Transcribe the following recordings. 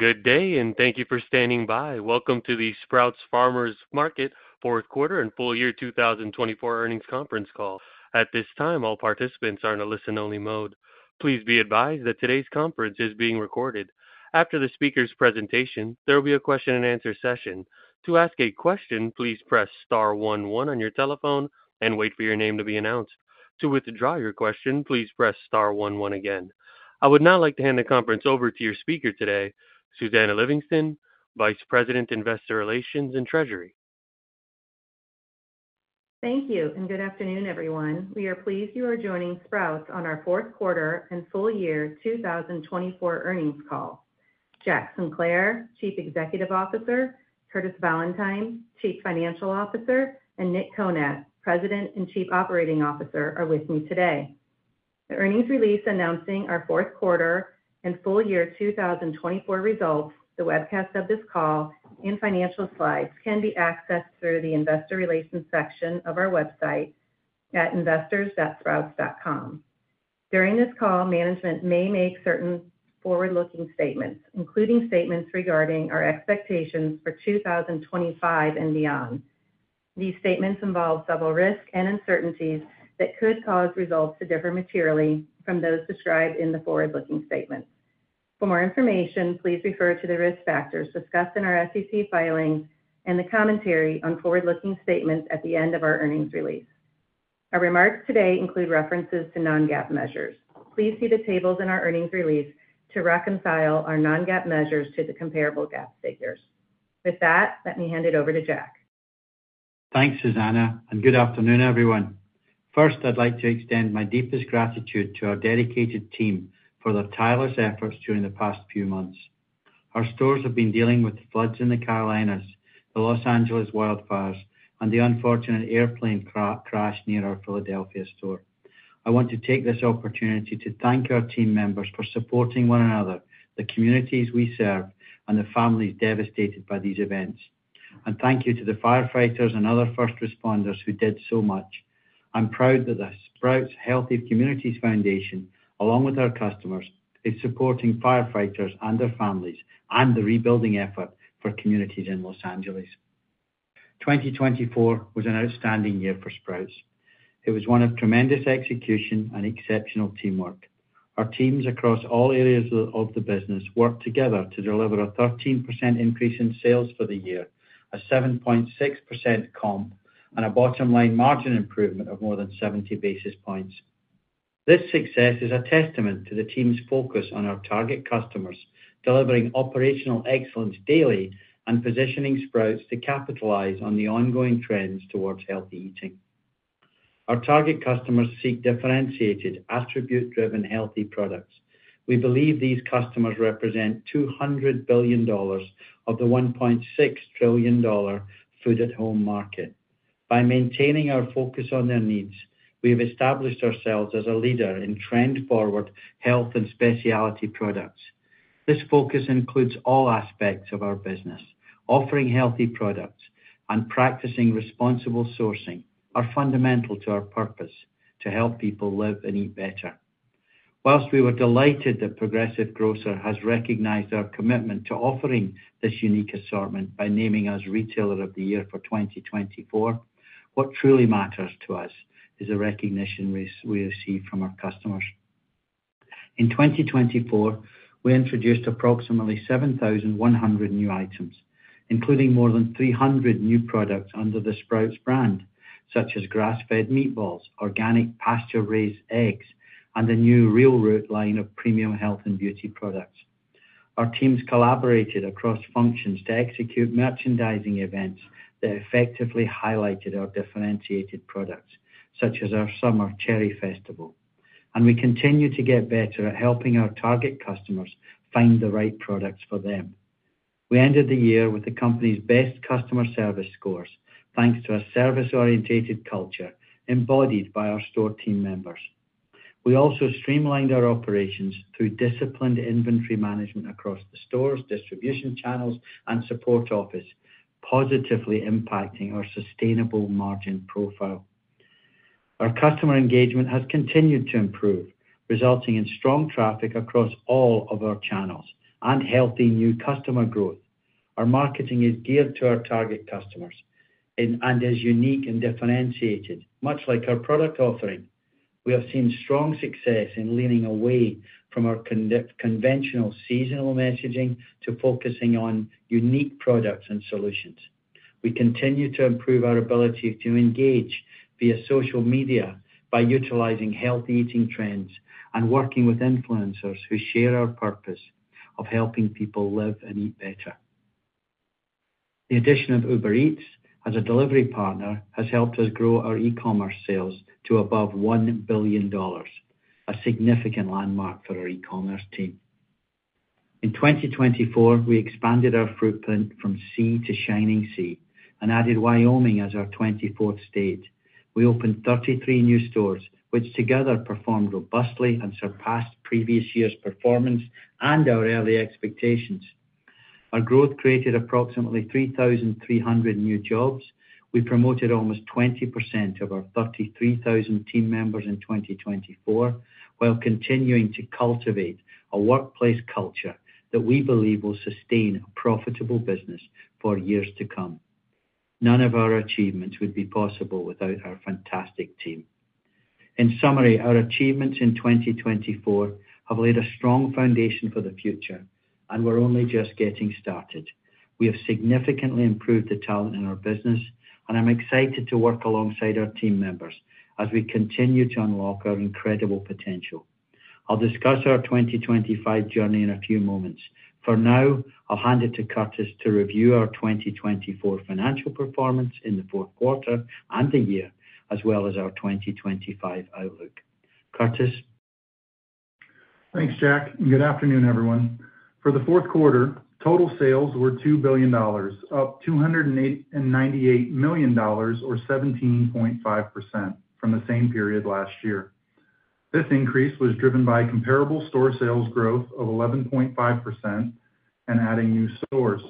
Good day, and thank you for standing by. Welcome to the Sprouts Farmers Market, Fourth Quarter and Full Year 2024 Earnings Conference Call. At this time, all participants are in a listen-only mode. Please be advised that today's conference is being recorded. After the speaker's presentation, there will be a Q&A session. To ask a question, please press star one one on your telephone and wait for your name to be announced. To withdraw your question, please press star one one again. I would now like to hand the conference over to your speaker today, Susannah Livingston, Vice President, Investor Relations and Treasury. Thank you, and good afternoon, everyone. We are pleased you are joining Sprouts on our Fourth Quarter and Full Year 2024 Earnings Call. Jack Sinclair, Chief Executive Officer, Curtis Valentine, Chief Financial Officer, and Nick Konat, President and Chief Operating Officer, are with me today. The earnings release announcing our Fourth Quarter and Full Year 2024 results, the webcast of this call, and financial slides can be accessed through the Investor Relations section of our website at investors.sprouts.com. During this call, management may make certain forward-looking statements, including statements regarding our expectations for 2025 and beyond. These statements involve several risks and uncertainties that could cause results to differ materially from those described in the forward-looking statements. For more information, please refer to the risk factors discussed in our SEC filings and the commentary on forward-looking statements at the end of our earnings release. Our remarks today include references to Non-GAAP measures. Please see the tables in our earnings release to reconcile our Non-GAAP measures to the comparable GAAP figures. With that, let me hand it over to Jack. Thanks, Susannah, and good afternoon, everyone. First, I'd like to extend my deepest gratitude to our dedicated team for their tireless efforts during the past few months. Our stores have been dealing with the floods in the Carolinas, the Los Angeles wildfires, and the unfortunate airplane crash near our Philadelphia store. I want to take this opportunity to thank our team members for supporting one another, the communities we serve, and the families devastated by these events, and thank you to the firefighters and other first responders who did so much. I'm proud that the Sprouts Healthy Communities Foundation, along with our customers, is supporting firefighters and their families and the rebuilding effort for communities in Los Angeles. 2024 was an outstanding year for Sprouts. It was one of tremendous execution and exceptional teamwork. Our teams across all areas of the business worked together to deliver a 13% increase in sales for the year, a 7.6% comp, and a bottom-line margin improvement of more than 70 basis points. This success is a testament to the team's focus on our target customers, delivering operational excellence daily and positioning Sprouts to capitalize on the ongoing trends towards healthy eating. Our target customers seek differentiated, attribute-driven healthy products. We believe these customers represent $200 billion of the $1.6 trillion food-at-home market. By maintaining our focus on their needs, we have established ourselves as a leader in trend-forward health and specialty products. This focus includes all aspects of our business. Offering healthy products and practicing responsible sourcing are fundamental to our purpose: to help people live and eat better. While we were delighted that Progressive Grocer has recognized our commitment to offering this unique assortment by naming us Retailer of the Year for 2024, what truly matters to us is the recognition we receive from our customers. In 2024, we introduced approximately 7,100 new items, including more than 300 new products under the Sprouts Brand, such as grass-fed meatballs, organic pasture-raised eggs, and the new Real Root line of premium health and beauty products. Our teams collaborated across functions to execute merchandising events that effectively highlighted our differentiated products, such as our summer cherry festival. We continue to get better at helping our target customers find the right products for them. We ended the year with the company's best customer service scores, thanks to a service-oriented culture embodied by our store team members. We also streamlined our operations through disciplined inventory management across the stores, distribution channels, and support office, positively impacting our sustainable margin profile. Our customer engagement has continued to improve, resulting in strong traffic across all of our channels and healthy new customer growth. Our marketing is geared to our target customers and is unique and differentiated, much like our product offering. We have seen strong success in leaning away from our conventional seasonal messaging to focusing on unique products and solutions. We continue to improve our ability to engage via social media by utilizing healthy eating trends and working with influencers who share our purpose of helping people live and eat better. The addition of Uber Eats as a delivery partner has helped us grow our e-commerce sales to above $1 billion, a significant landmark for our e-commerce team. In 2024, we expanded our footprint from sea to shining sea and added Wyoming as our 24th state. We opened 33 new stores, which together performed robustly and surpassed previous year's performance and our early expectations. Our growth created approximately 3,300 new jobs. We promoted almost 20% of our 33,000 team members in 2024 while continuing to cultivate a workplace culture that we believe will sustain a profitable business for years to come. None of our achievements would be possible without our fantastic team. In summary, our achievements in 2024 have laid a strong foundation for the future, and we're only just getting started. We have significantly improved the talent in our business, and I'm excited to work alongside our team members as we continue to unlock our incredible potential. I'll discuss our 2025 journey in a few moments. For now, I'll hand it to Curtis to review our 2024 financial performance in the fourth quarter and the year, as well as our 2025 outlook. Curtis. Thanks, Jack. And good afternoon, everyone. For the fourth quarter, total sales were $2 billion, up $298 million, or 17.5%, from the same period last year. This increase was driven by comparable store sales growth of 11.5% and adding new stores.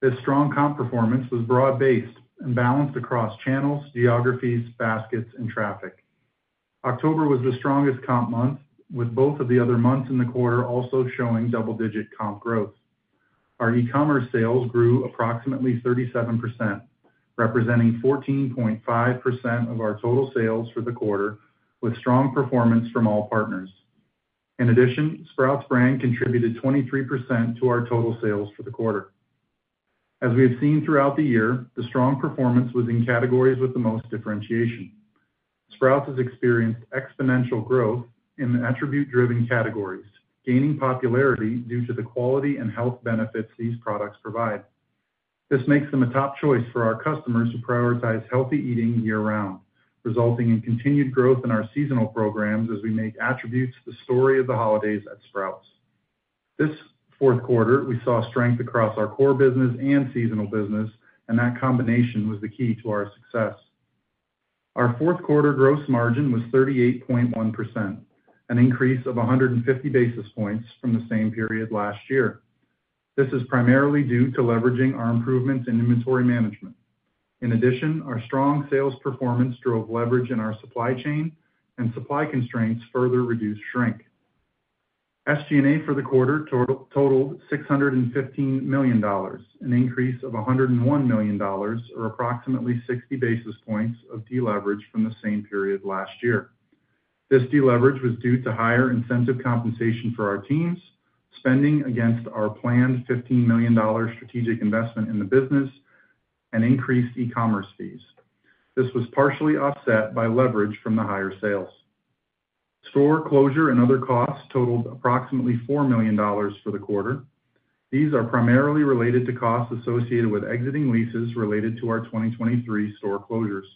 This strong comp performance was broad-based and balanced across channels, geographies, baskets, and traffic. October was the strongest comp month, with both of the other months in the quarter also showing double-digit comp growth. Our e-commerce sales grew approximately 37%, representing 14.5% of our total sales for the quarter, with strong performance from all partners. In addition, Sprouts Brand contributed 23% to our total sales for the quarter. As we have seen throughout the year, the strong performance was in categories with the most differentiation. Sprouts has experienced exponential growth in the attribute-driven categories, gaining popularity due to the quality and health benefits these products provide. This makes them a top choice for our customers who prioritize healthy eating year-round, resulting in continued growth in our seasonal programs as we make attributes the story of the holidays at Sprouts. This fourth quarter, we saw strength across our core business and seasonal business, and that combination was the key to our success. Our fourth quarter gross margin was 38.1%, an increase of 150 basis points from the same period last year. This is primarily due to leveraging our improvements in inventory management. In addition, our strong sales performance drove leverage in our supply chain, and supply constraints further reduced shrink. SG&A for the quarter totaled $615 million, an increase of $101 million, or approximately 60 basis points of deleverage from the same period last year. This deleverage was due to higher incentive compensation for our teams, spending against our planned $15 million strategic investment in the business, and increased e-commerce fees. This was partially offset by leverage from the higher sales. Store closure and other costs totaled approximately $4 million for the quarter. These are primarily related to costs associated with exiting leases related to our 2023 store closures.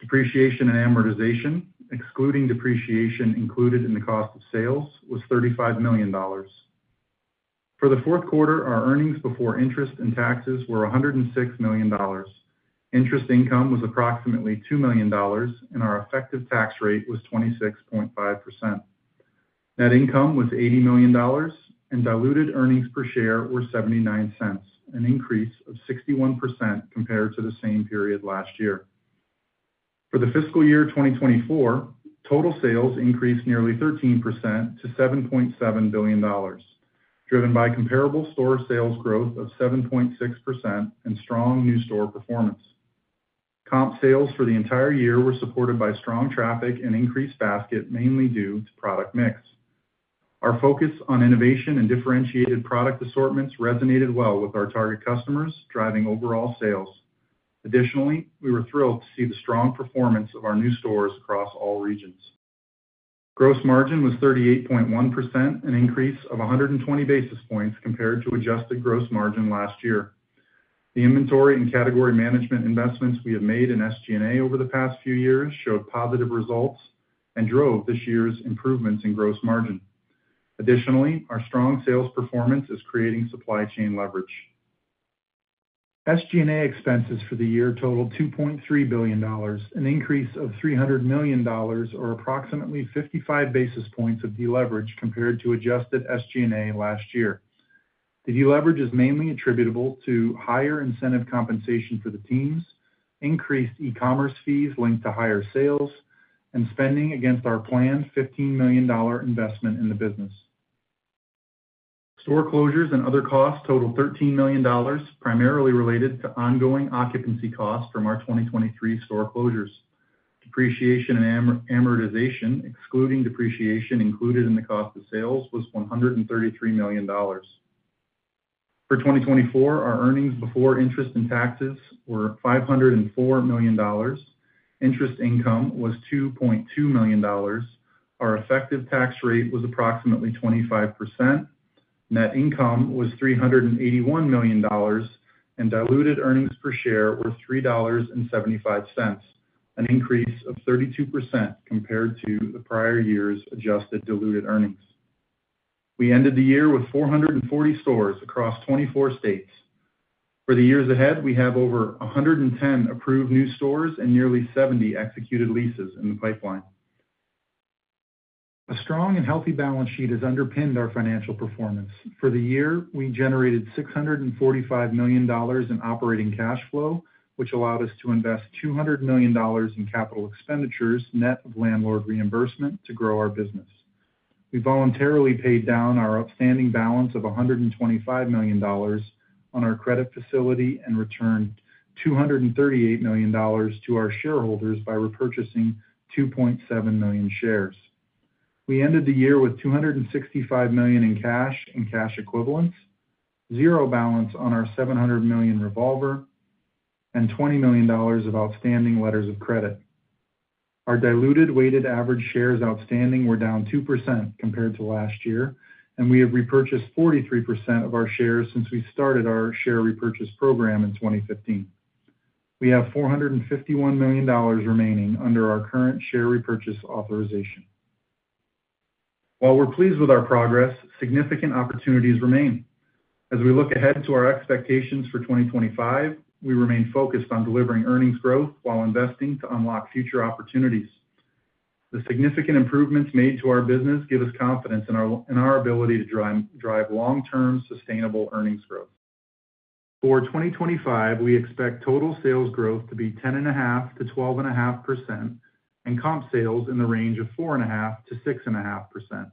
Depreciation and amortization, excluding depreciation included in the cost of sales, was $35 million. For the fourth quarter, our earnings before interest and taxes were $106 million. Interest income was approximately $2 million, and our effective tax rate was 26.5%. Net income was $80 million, and diluted earnings per share were $0.79, an increase of 61% compared to the same period last year. For the fiscal year 2024, total sales increased nearly 13% to $7.7 billion, driven by comparable store sales growth of 7.6% and strong new store performance. Comp sales for the entire year were supported by strong traffic and increased basket, mainly due to product mix. Our focus on innovation and differentiated product assortments resonated well with our target customers, driving overall sales. Additionally, we were thrilled to see the strong performance of our new stores across all regions. Gross margin was 38.1%, an increase of 120 basis points compared to adjusted gross margin last year. The inventory and category management investments we have made in SG&A over the past few years showed positive results and drove this year's improvements in gross margin. Additionally, our strong sales performance is creating supply chain leverage. SG&A expenses for the year totaled $2.3 billion, an increase of $300 million, or approximately 55 basis points of deleverage compared to adjusted SG&A last year. The deleverage is mainly attributable to higher incentive compensation for the teams, increased e-commerce fees linked to higher sales, and spending against our planned $15 million investment in the business. Store closures and other costs totaled $13 million, primarily related to ongoing occupancy costs from our 2023 store closures. Depreciation and amortization, excluding depreciation included in the cost of sales, was $133 million. For 2024, our earnings before interest and taxes were $504 million. Interest income was $2.2 million. Our effective tax rate was approximately 25%. Net income was $381 million, and diluted earnings per share were $3.75, an increase of 32% compared to the prior year's adjusted diluted earnings. We ended the year with 440 stores across 24 states. For the years ahead, we have over 110 approved new stores and nearly 70 executed leases in the pipeline. A strong and healthy balance sheet has underpinned our financial performance. For the year, we generated $645 million in operating cash flow, which allowed us to invest $200 million in capital expenditures net of landlord reimbursement to grow our business. We voluntarily paid down our outstanding balance of $125 million on our credit facility and returned $238 million to our shareholders by repurchasing 2.7 million shares. We ended the year with $265 million in cash and cash equivalents, zero balance on our $700 million revolver, and $20 million of outstanding letters of credit. Our diluted weighted average shares outstanding were down 2% compared to last year, and we have repurchased 43% of our shares since we started our share repurchase program in 2015. We have $451 million remaining under our current share repurchase authorization. While we're pleased with our progress, significant opportunities remain. As we look ahead to our expectations for 2025, we remain focused on delivering earnings growth while investing to unlock future opportunities. The significant improvements made to our business give us confidence in our ability to drive long-term sustainable earnings growth. For 2025, we expect total sales growth to be 10.5%-12.5%, and comp sales in the range of 4.5%-6.5%.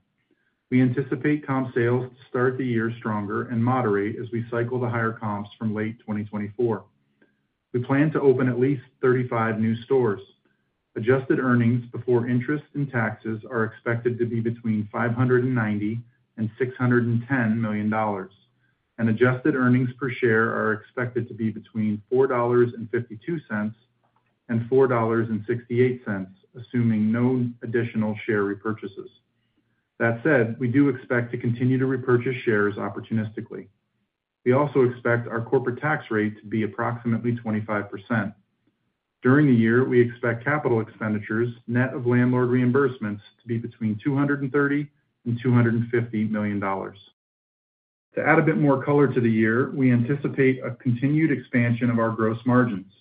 We anticipate comp sales to start the year stronger and moderate as we cycle the higher comps from late 2024. We plan to open at least 35 new stores. Adjusted earnings before interest and taxes are expected to be between $590 and $610 million, and adjusted earnings per share are expected to be between $4.52 and $4.68, assuming no additional share repurchases. That said, we do expect to continue to repurchase shares opportunistically. We also expect our corporate tax rate to be approximately 25%. During the year, we expect capital expenditures net of landlord reimbursements to be between $230 million-$250 million. To add a bit more color to the year, we anticipate a continued expansion of our gross margins.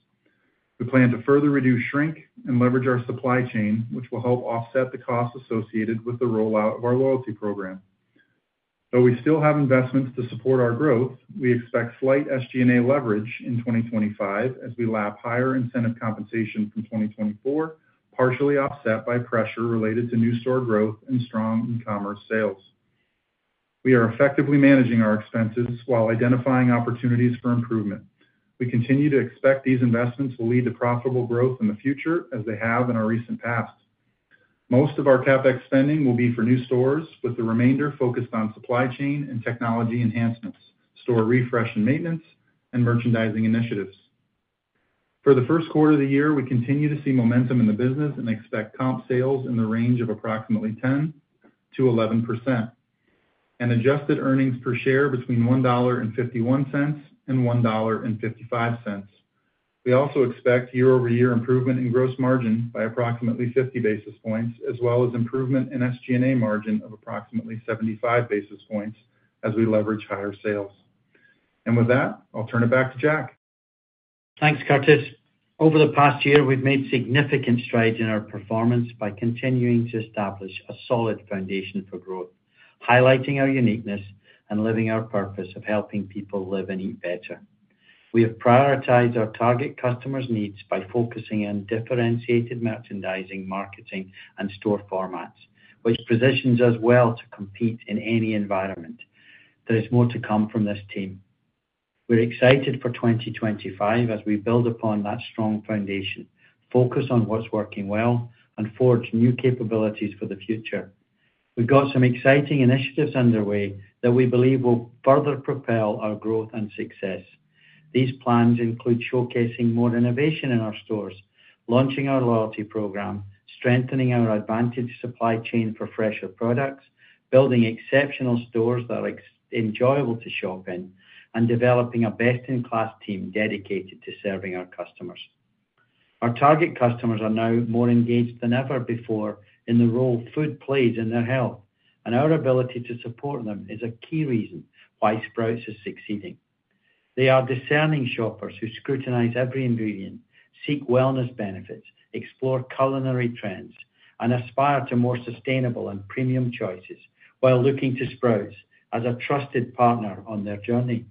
We plan to further reduce shrink and leverage our supply chain, which will help offset the costs associated with the rollout of our loyalty program. Though we still have investments to support our growth, we expect slight SG&A leverage in 2025 as we lap higher incentive compensation from 2024, partially offset by pressure related to new store growth and strong e-commerce sales. We are effectively managing our expenses while identifying opportunities for improvement. We continue to expect these investments will lead to profitable growth in the future, as they have in our recent past. Most of our CapEx spending will be for new stores, with the remainder focused on supply chain and technology enhancements, store refresh and maintenance, and merchandising initiatives. For the first quarter of the year, we continue to see momentum in the business and expect comp sales in the range of approximately 10%-11%, and adjusted earnings per share between $1.51-$1.55. We also expect year-over-year improvement in gross margin by approximately 50 basis points, as well as improvement in SG&A margin of approximately 75 basis points as we leverage higher sales. And with that, I'll turn it back to Jack. Thanks, Curtis. Over the past year, we've made significant strides in our performance by continuing to establish a solid foundation for growth, highlighting our uniqueness and living our purpose of helping people live and eat better. We have prioritized our target customers' needs by focusing on differentiated merchandising, marketing, and store formats, which positions us well to compete in any environment. There is more to come from this team. We're excited for 2025 as we build upon that strong foundation, focus on what's working well, and forge new capabilities for the future. We've got some exciting initiatives underway that we believe will further propel our growth and success. These plans include showcasing more innovation in our stores, launching our loyalty program, strengthening our advantage supply chain for fresher products, building exceptional stores that are enjoyable to shop in, and developing a best-in-class team dedicated to serving our customers. Our target customers are now more engaged than ever before in the role food plays in their health, and our ability to support them is a key reason why Sprouts is succeeding. They are discerning shoppers who scrutinize every ingredient, seek wellness benefits, explore culinary trends, and aspire to more sustainable and premium choices while looking to Sprouts as a trusted partner on their journey.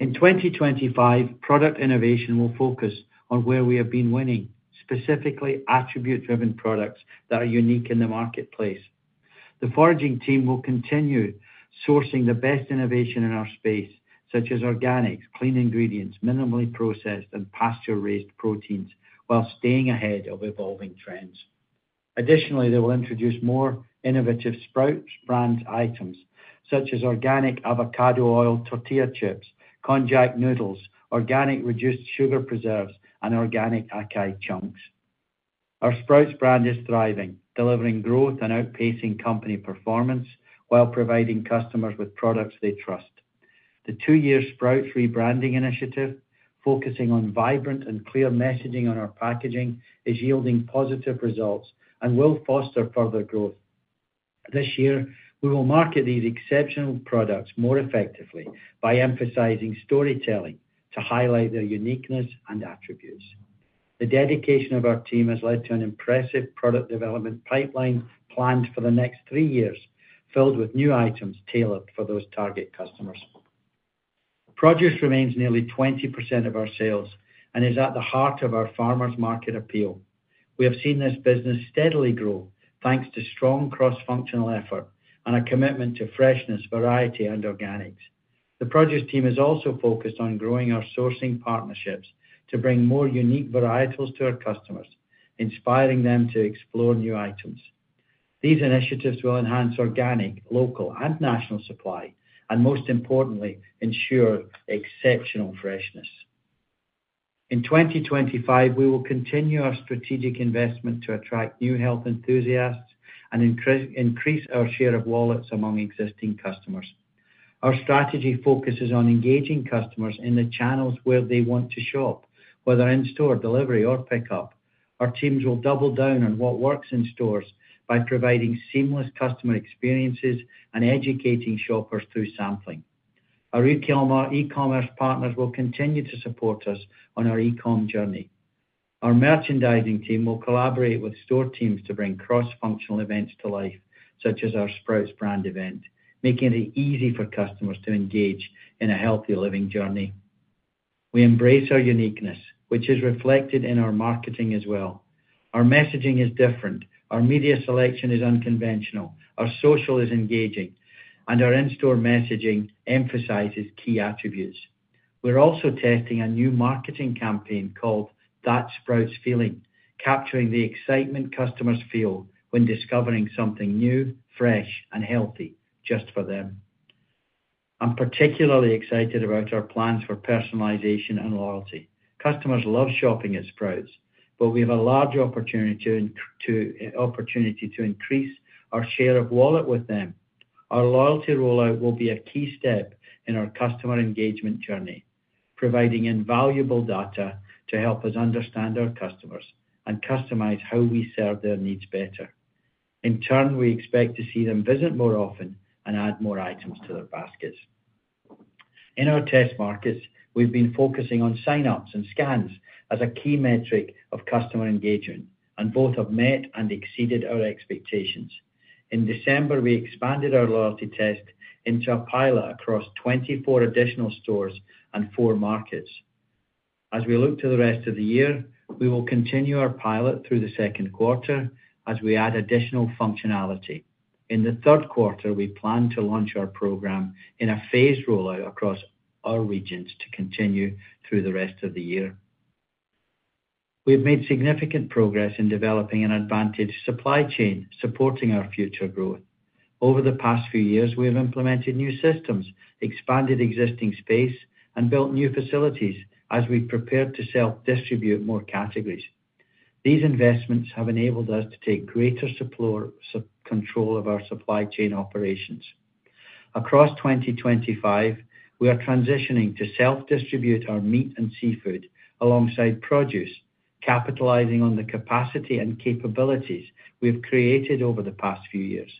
In 2025, product innovation will focus on where we have been winning, specifically attribute-driven products that are unique in the marketplace. The foraging team will continue sourcing the best innovation in our space, such as organics, clean ingredients, minimally processed, and pasture-raised proteins, while staying ahead of evolving trends. Additionally, they will introduce more innovative Sprouts Brand items, such as organic avocado oil tortilla chips, konjac noodles, organic reduced sugar preserves, and organic acai chunks. Our Sprouts Brand is thriving, delivering growth and outpacing company performance while providing customers with products they trust. The two-year Sprouts rebranding initiative, focusing on vibrant and clear messaging on our packaging, is yielding positive results and will foster further growth. This year, we will market these exceptional products more effectively by emphasizing storytelling to highlight their uniqueness and attributes. The dedication of our team has led to an impressive product development pipeline planned for the next three years, filled with new items tailored for those target customers. Produce remains nearly 20% of our sales and is at the heart of our farmers' market appeal. We have seen this business steadily grow thanks to strong cross-functional effort and a commitment to freshness, variety, and organics. The produce team is also focused on growing our sourcing partnerships to bring more unique varietals to our customers, inspiring them to explore new items. These initiatives will enhance organic, local, and national supply, and most importantly, ensure exceptional freshness. In 2025, we will continue our strategic investment to attract new health enthusiasts and increase our share of wallets among existing customers. Our strategy focuses on engaging customers in the channels where they want to shop, whether in-store, delivery, or pickup. Our teams will double down on what works in stores by providing seamless customer experiences and educating shoppers through sampling. Our e-commerce partners will continue to support us on our e-com journey. Our merchandising team will collaborate with store teams to bring cross-functional events to life, such as our Sprouts Brand event, making it easy for customers to engage in a healthy living journey. We embrace our uniqueness, which is reflected in our marketing as well. Our messaging is different, our media selection is unconventional, our social is engaging, and our in-store messaging emphasizes key attributes. We're also testing a new marketing campaign called That Sprouts Feeling, capturing the excitement customers feel when discovering something new, fresh, and healthy just for them. I'm particularly excited about our plans for personalization and loyalty. Customers love shopping at Sprouts, but we have a large opportunity to increase our share of wallet with them. Our loyalty rollout will be a key step in our customer engagement journey, providing invaluable data to help us understand our customers and customize how we serve their needs better. In turn, we expect to see them visit more often and add more items to their baskets. In our test markets, we've been focusing on sign-ups and scans as a key metric of customer engagement, and both have met and exceeded our expectations. In December, we expanded our loyalty test into a pilot across 24 additional stores and four markets. As we look to the rest of the year, we will continue our pilot through the second quarter as we add additional functionality. In the third quarter, we plan to launch our program in a phased rollout across our regions to continue through the rest of the year. We've made significant progress in developing an advantage supply chain supporting our future growth. Over the past few years, we have implemented new systems, expanded existing space, and built new facilities as we've prepared to self-distribute more categories. These investments have enabled us to take greater control of our supply chain operations. Across 2025, we are transitioning to self-distribute our meat and seafood alongside produce, capitalizing on the capacity and capabilities we have created over the past few years.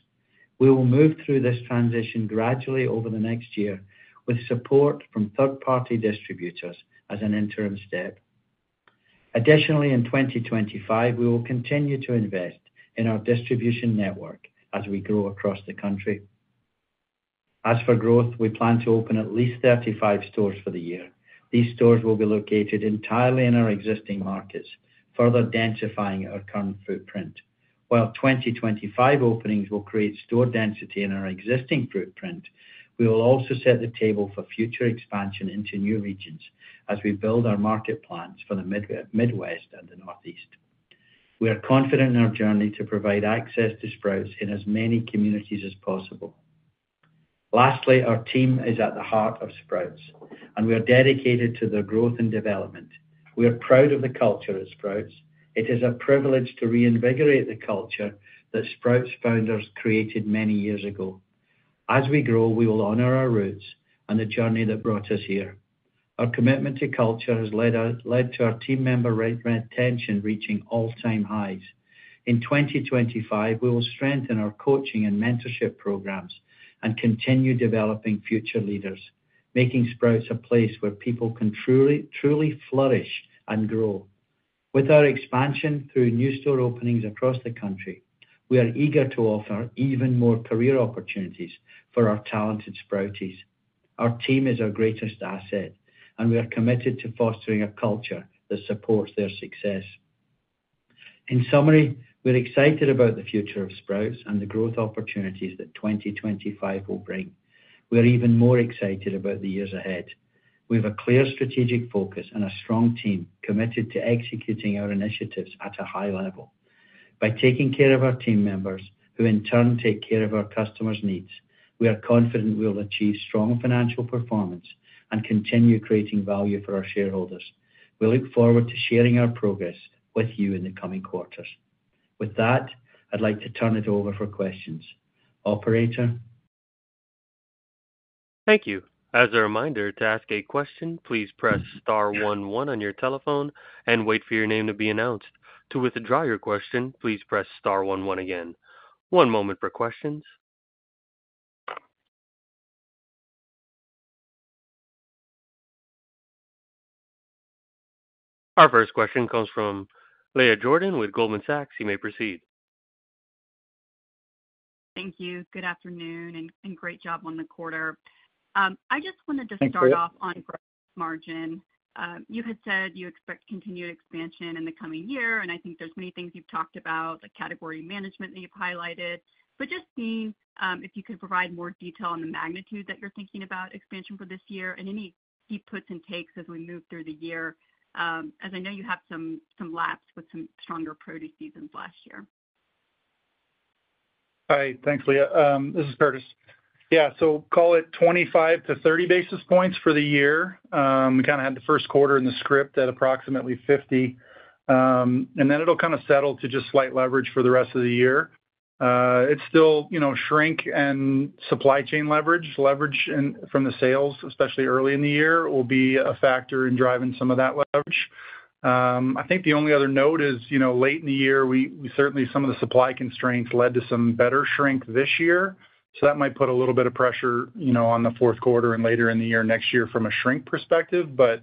We will move through this transition gradually over the next year with support from third-party distributors as an interim step. Additionally, in 2025, we will continue to invest in our distribution network as we grow across the country. As for growth, we plan to open at least 35 stores for the year. These stores will be located entirely in our existing markets, further densifying our current footprint. While 2025 openings will create store density in our existing footprint, we will also set the table for future expansion into new regions as we build our market plans for the Midwest and the Northeast. We are confident in our journey to provide access to Sprouts in as many communities as possible. Lastly, our team is at the heart of Sprouts, and we are dedicated to the growth and development. We are proud of the culture at Sprouts. It is a privilege to reinvigorate the culture that Sprouts founders created many years ago. As we grow, we will honor our roots and the journey that brought us here. Our commitment to culture has led to our team member retention reaching all-time highs. In 2025, we will strengthen our coaching and mentorship programs and continue developing future leaders, making Sprouts a place where people can truly flourish and grow. With our expansion through new store openings across the country, we are eager to offer even more career opportunities for our talented Sprouties. Our team is our greatest asset, and we are committed to fostering a culture that supports their success. In summary, we're excited about the future of Sprouts and the growth opportunities that 2025 will bring. We're even more excited about the years ahead. We have a clear strategic focus and a strong team committed to executing our initiatives at a high level. By taking care of our team members, who in turn take care of our customers' needs, we are confident we will achieve strong financial performance and continue creating value for our shareholders. We look forward to sharing our progress with you in the coming quarters. With that, I'd like to turn it over for questions. Operator. Thank you. As a reminder, to ask a question, please press star one one on your telephone and wait for your name to be announced. To withdraw your question, please press star one one again. One moment for questions. Our first question comes from Leah Jordan with Goldman Sachs. You may proceed. Thank you. Good afternoon and great job on the quarter. I just wanted to start off on gross margin. You had said you expect continued expansion in the coming year, and I think there's many things you've talked about, the category management that you've highlighted. But just seeing if you could provide more detail on the magnitude that you're thinking about expansion for this year and any deep puts and takes as we move through the year, as I know you have some laps with some stronger produce seasons last year? Hi. Thanks, Leah. This is Curtis. Yeah. So call it 25 to 30 basis points for the year. We kind of had the first quarter in the script at approximately 50. And then it'll kind of settle to just slight leverage for the rest of the year. It's still shrink and supply chain leverage, leverage from the sales, especially early in the year, will be a factor in driving some of that leverage. I think the only other note is late in the year, we certainly some of the supply constraints led to some better shrink this year. So that might put a little bit of pressure on the fourth quarter and later in the year next year from a shrink perspective, but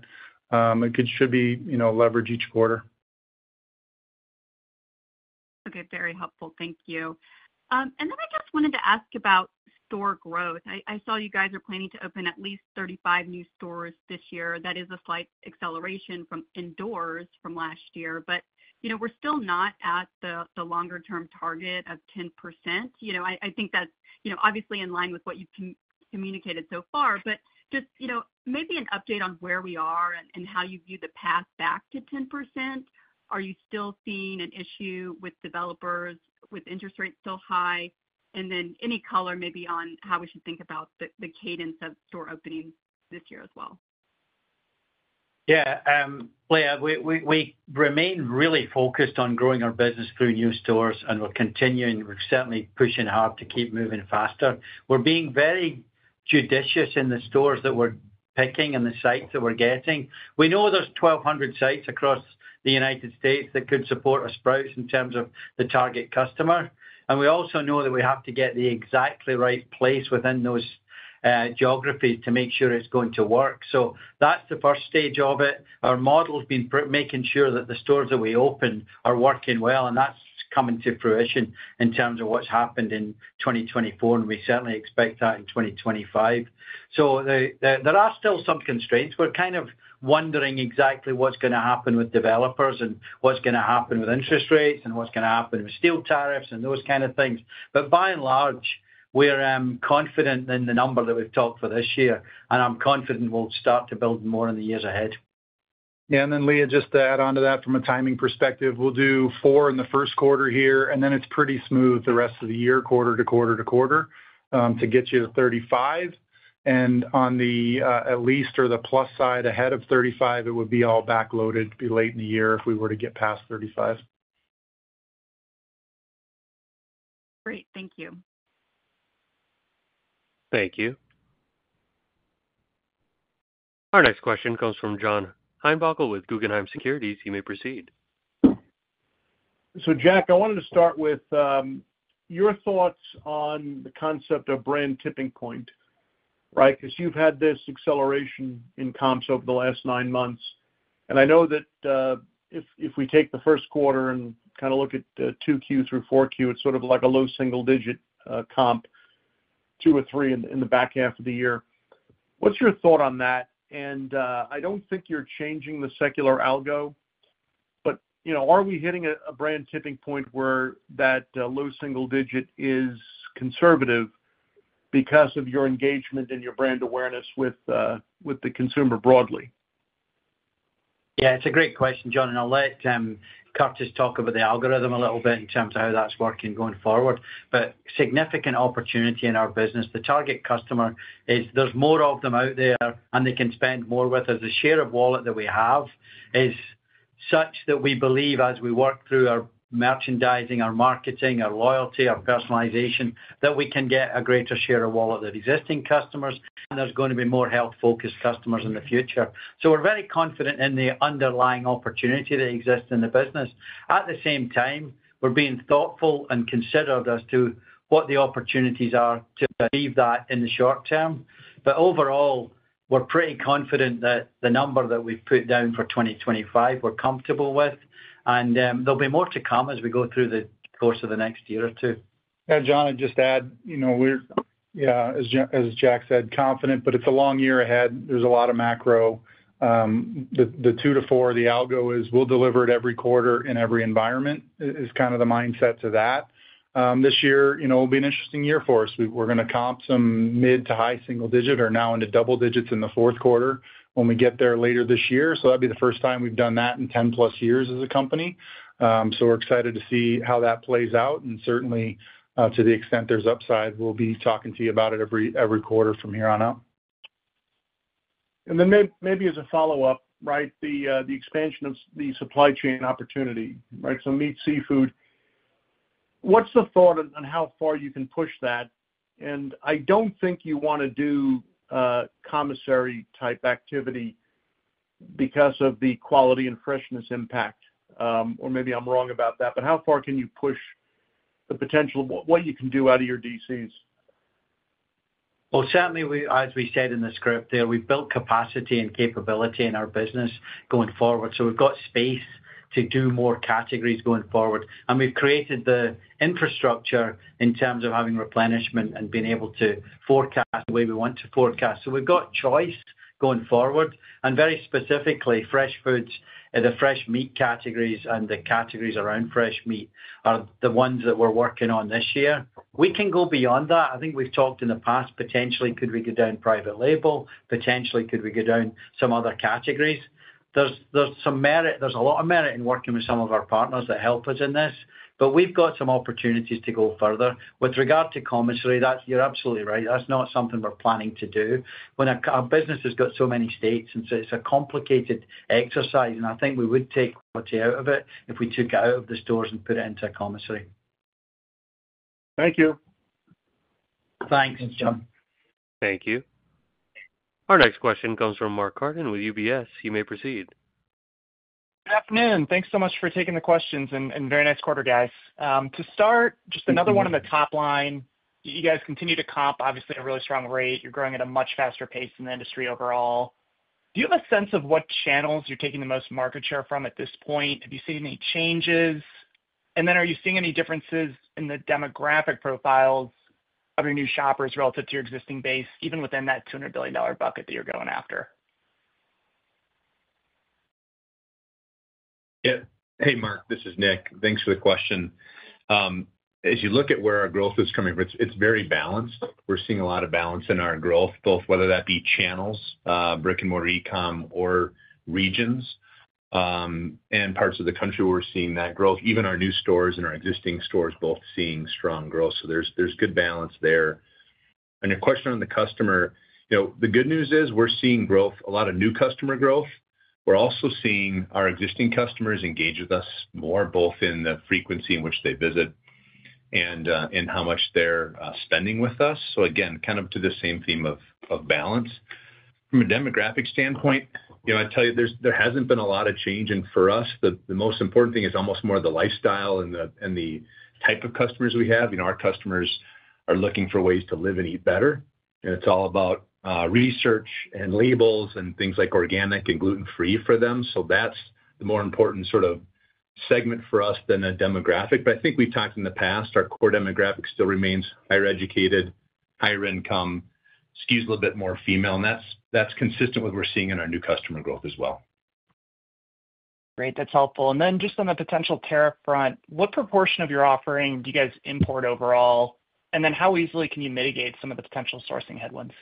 it should be leverage each quarter. Okay. Very helpful. Thank you. And then I just wanted to ask about store growth. I saw you guys are planning to open at least 35 new stores this year. That is a slight acceleration from last year, but we're still not at the longer-term target of 10%. I think that's obviously in line with what you've communicated so far, but just maybe an update on where we are and how you view the path back to 10%. Are you still seeing an issue with developers, with interest rates still high? And then any color maybe on how we should think about the cadence of store openings this year as well. Yeah. Leah, we remain really focused on growing our business through new stores, and we're continuing. We're certainly pushing hard to keep moving faster. We're being very judicious in the stores that we're picking and the sites that we're getting. We know there's 1,200 sites across the United States that could support a Sprouts in terms of the target customer, and we also know that we have to get the exactly right place within those geographies to make sure it's going to work. So that's the first stage of it. Our model has been making sure that the stores that we open are working well, and that's coming to fruition in terms of what's happened in 2024, and we certainly expect that in 2025. So there are still some constraints. We're kind of wondering exactly what's going to happen with developers and what's going to happen with interest rates and what's going to happen with steel tariffs and those kinds of things. But by and large, we're confident in the number that we've talked for this year, and I'm confident we'll start to build more in the years ahead. Yeah. And then, Leah, just to add on to that from a timing perspective, we'll do four in the first quarter here, and then it's pretty smooth the rest of the year, quarter to quarter to quarter to get you to 35. And on the at least or the plus side ahead of 35, it would be all backloaded late in the year if we were to get past 35. Great. Thank you. Thank you. Our next question comes from John Heinbockel with Guggenheim Securities. You may proceed. So Jack, I wanted to start with your thoughts on the concept of brand tipping point, right? Because you've had this acceleration in comps over the last nine months. And I know that if we take the first quarter and kind of look at Q2 through Q4, it's sort of like a low single-digit comp, two or three in the back half of the year. What's your thought on that? And I don't think you're changing the secular algo, but are we hitting a brand tipping point where that low single digit is conservative because of your engagement and your brand awareness with the consumer broadly? Yeah. It's a great question, John, and I'll let Curtis talk about the algorithm a little bit in terms of how that's working going forward. But significant opportunity in our business, the target customer is there's more of them out there, and they can spend more with us. The share of wallet that we have is such that we believe as we work through our merchandising, our marketing, our loyalty, our personalization, that we can get a greater share of wallet than existing customers, and there's going to be more health-focused customers in the future. So we're very confident in the underlying opportunity that exists in the business. At the same time, we're being thoughtful and considerate as to what the opportunities are to achieve that in the short term. But overall, we're pretty confident that the number that we've put down for 2025 we're comfortable with, and there'll be more to come as we go through the course of the next year or two. Yeah. John, I'd just add, we're, yeah, as Jack said, confident, but it's a long year ahead. There's a lot of macro. The two to four, the algo is we'll deliver it every quarter in every environment is kind of the mindset to that. This year will be an interesting year for us. We're going to comp some mid to high single digit or now into double digits in the fourth quarter when we get there later this year. So that'd be the first time we've done that in 10-plus years as a company. So we're excited to see how that plays out. And certainly, to the extent there's upside, we'll be talking to you about it every quarter from here on out. And then maybe as a follow-up, right, the expansion of the supply chain opportunity, right? So meat, seafood. What's the thought on how far you can push that? And I don't think you want to do commissary-type activity because of the quality and freshness impact, or maybe I'm wrong about that. But how far can you push the potential of what you can do out of your DCs? Certainly, as we said in the script, we've built capacity and capability in our business going forward. We've got space to do more categories going forward. We've created the infrastructure in terms of having replenishment and being able to forecast the way we want to forecast. We've got choice going forward. Very specifically, fresh foods, the fresh meat categories and the categories around fresh meat are the ones that we're working on this year. We can go beyond that. I think we've talked in the past, potentially, could we go down private label? Potentially, could we go down some other categories? There's a lot of merit in working with some of our partners that help us in this, but we've got some opportunities to go further. With regard to commissary, you're absolutely right. That's not something we're planning to do. Our business has got so many states, and so it's a complicated exercise, and I think we would take quality out of it if we took it out of the stores and put it into a commissary. Thank you. Thanks, John. Thank you. Our next question comes from Mark Carden with UBS. You may proceed. Good afternoon. Thanks so much for taking the questions and very nice quarter, guys. To start, just another one on the top line. You guys continue to comp, obviously, at a really strong rate. You're growing at a much faster pace in the industry overall. Do you have a sense of what channels you're taking the most market share from at this point? Have you seen any changes? And then are you seeing any differences in the demographic profiles of your new shoppers relative to your existing base, even within that $200 billion bucket that you're going after? Yeah. Hey, Mark. This is Nick. Thanks for the question. As you look at where our growth is coming from, it's very balanced. We're seeing a lot of balance in our growth, both whether that be channels, brick-and-mortar e-comm, or regions and parts of the country where we're seeing that growth, even our new stores and our existing stores both seeing strong growth. So there's good balance there, and your question on the customer, the good news is we're seeing growth, a lot of new customer growth. We're also seeing our existing customers engage with us more, both in the frequency in which they visit and how much they're spending with us. So again, kind of to the same theme of balance. From a demographic standpoint, I tell you, there hasn't been a lot of change. And for us, the most important thing is almost more of the lifestyle and the type of customers we have. Our customers are looking for ways to live and eat better. And it's all about research and labels and things like organic and gluten-free for them. So that's the more important sort of segment for us than a demographic. But I think we've talked in the past, our core demographic still remains higher educated, higher income, excuse a little bit more female. And that's consistent with what we're seeing in our new customer growth as well. Great. That's helpful. And then just on the potential tariff front, what proportion of your offering do you guys import overall? And then how easily can you mitigate some of the potential sourcing headwinds?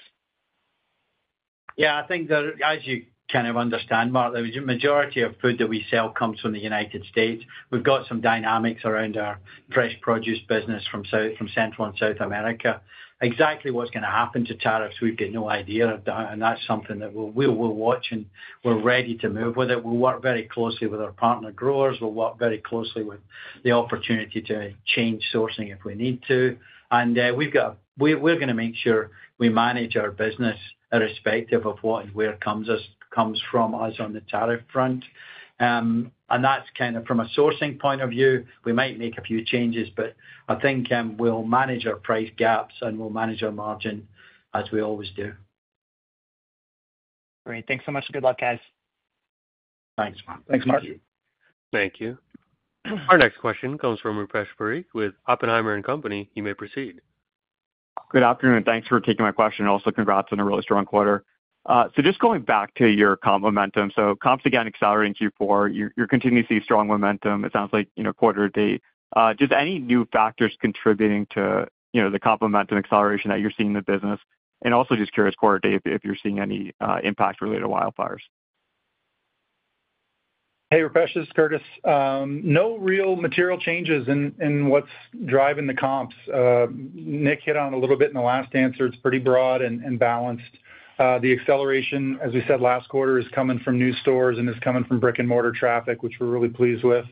Yeah. I think, as you kind of understand, Mark, the majority of food that we sell comes from the United States. We've got some dynamics around our fresh produce business from Central and South America. Exactly what's going to happen to tariffs, we've got no idea of that. And that's something that we'll watch, and we're ready to move with it. We'll work very closely with our partner growers. We'll work very closely with the opportunity to change sourcing if we need to. And we're going to make sure we manage our business irrespective of what and where it comes from us on the tariff front. And that's kind of from a sourcing point of view. We might make a few changes, but I think we'll manage our price gaps and we'll manage our margin as we always do. Great. Thanks so much. Good luck, guys. Thanks, Mark. Thanks, Mark. Thank you. Our next question comes from Rupesh Parikh with Oppenheimer & Company. You may proceed. Good afternoon. Thanks for taking my question. Also, congrats on a really strong quarter. So just going back to your comp momentum, so comps again accelerating Q4. You're continuing to see strong momentum, it sounds like, quarter to date. Just any new factors contributing to the comp momentum acceleration that you're seeing in the business? And also just curious, quarter to date, if you're seeing any impact related to wildfires? Hey, Rupesh. This is Curtis. No real material changes in what's driving the comps. Nick hit on it a little bit in the last answer. It's pretty broad and balanced. The acceleration, as we said last quarter, is coming from new stores and is coming from brick-and-mortar traffic, which we're really pleased with.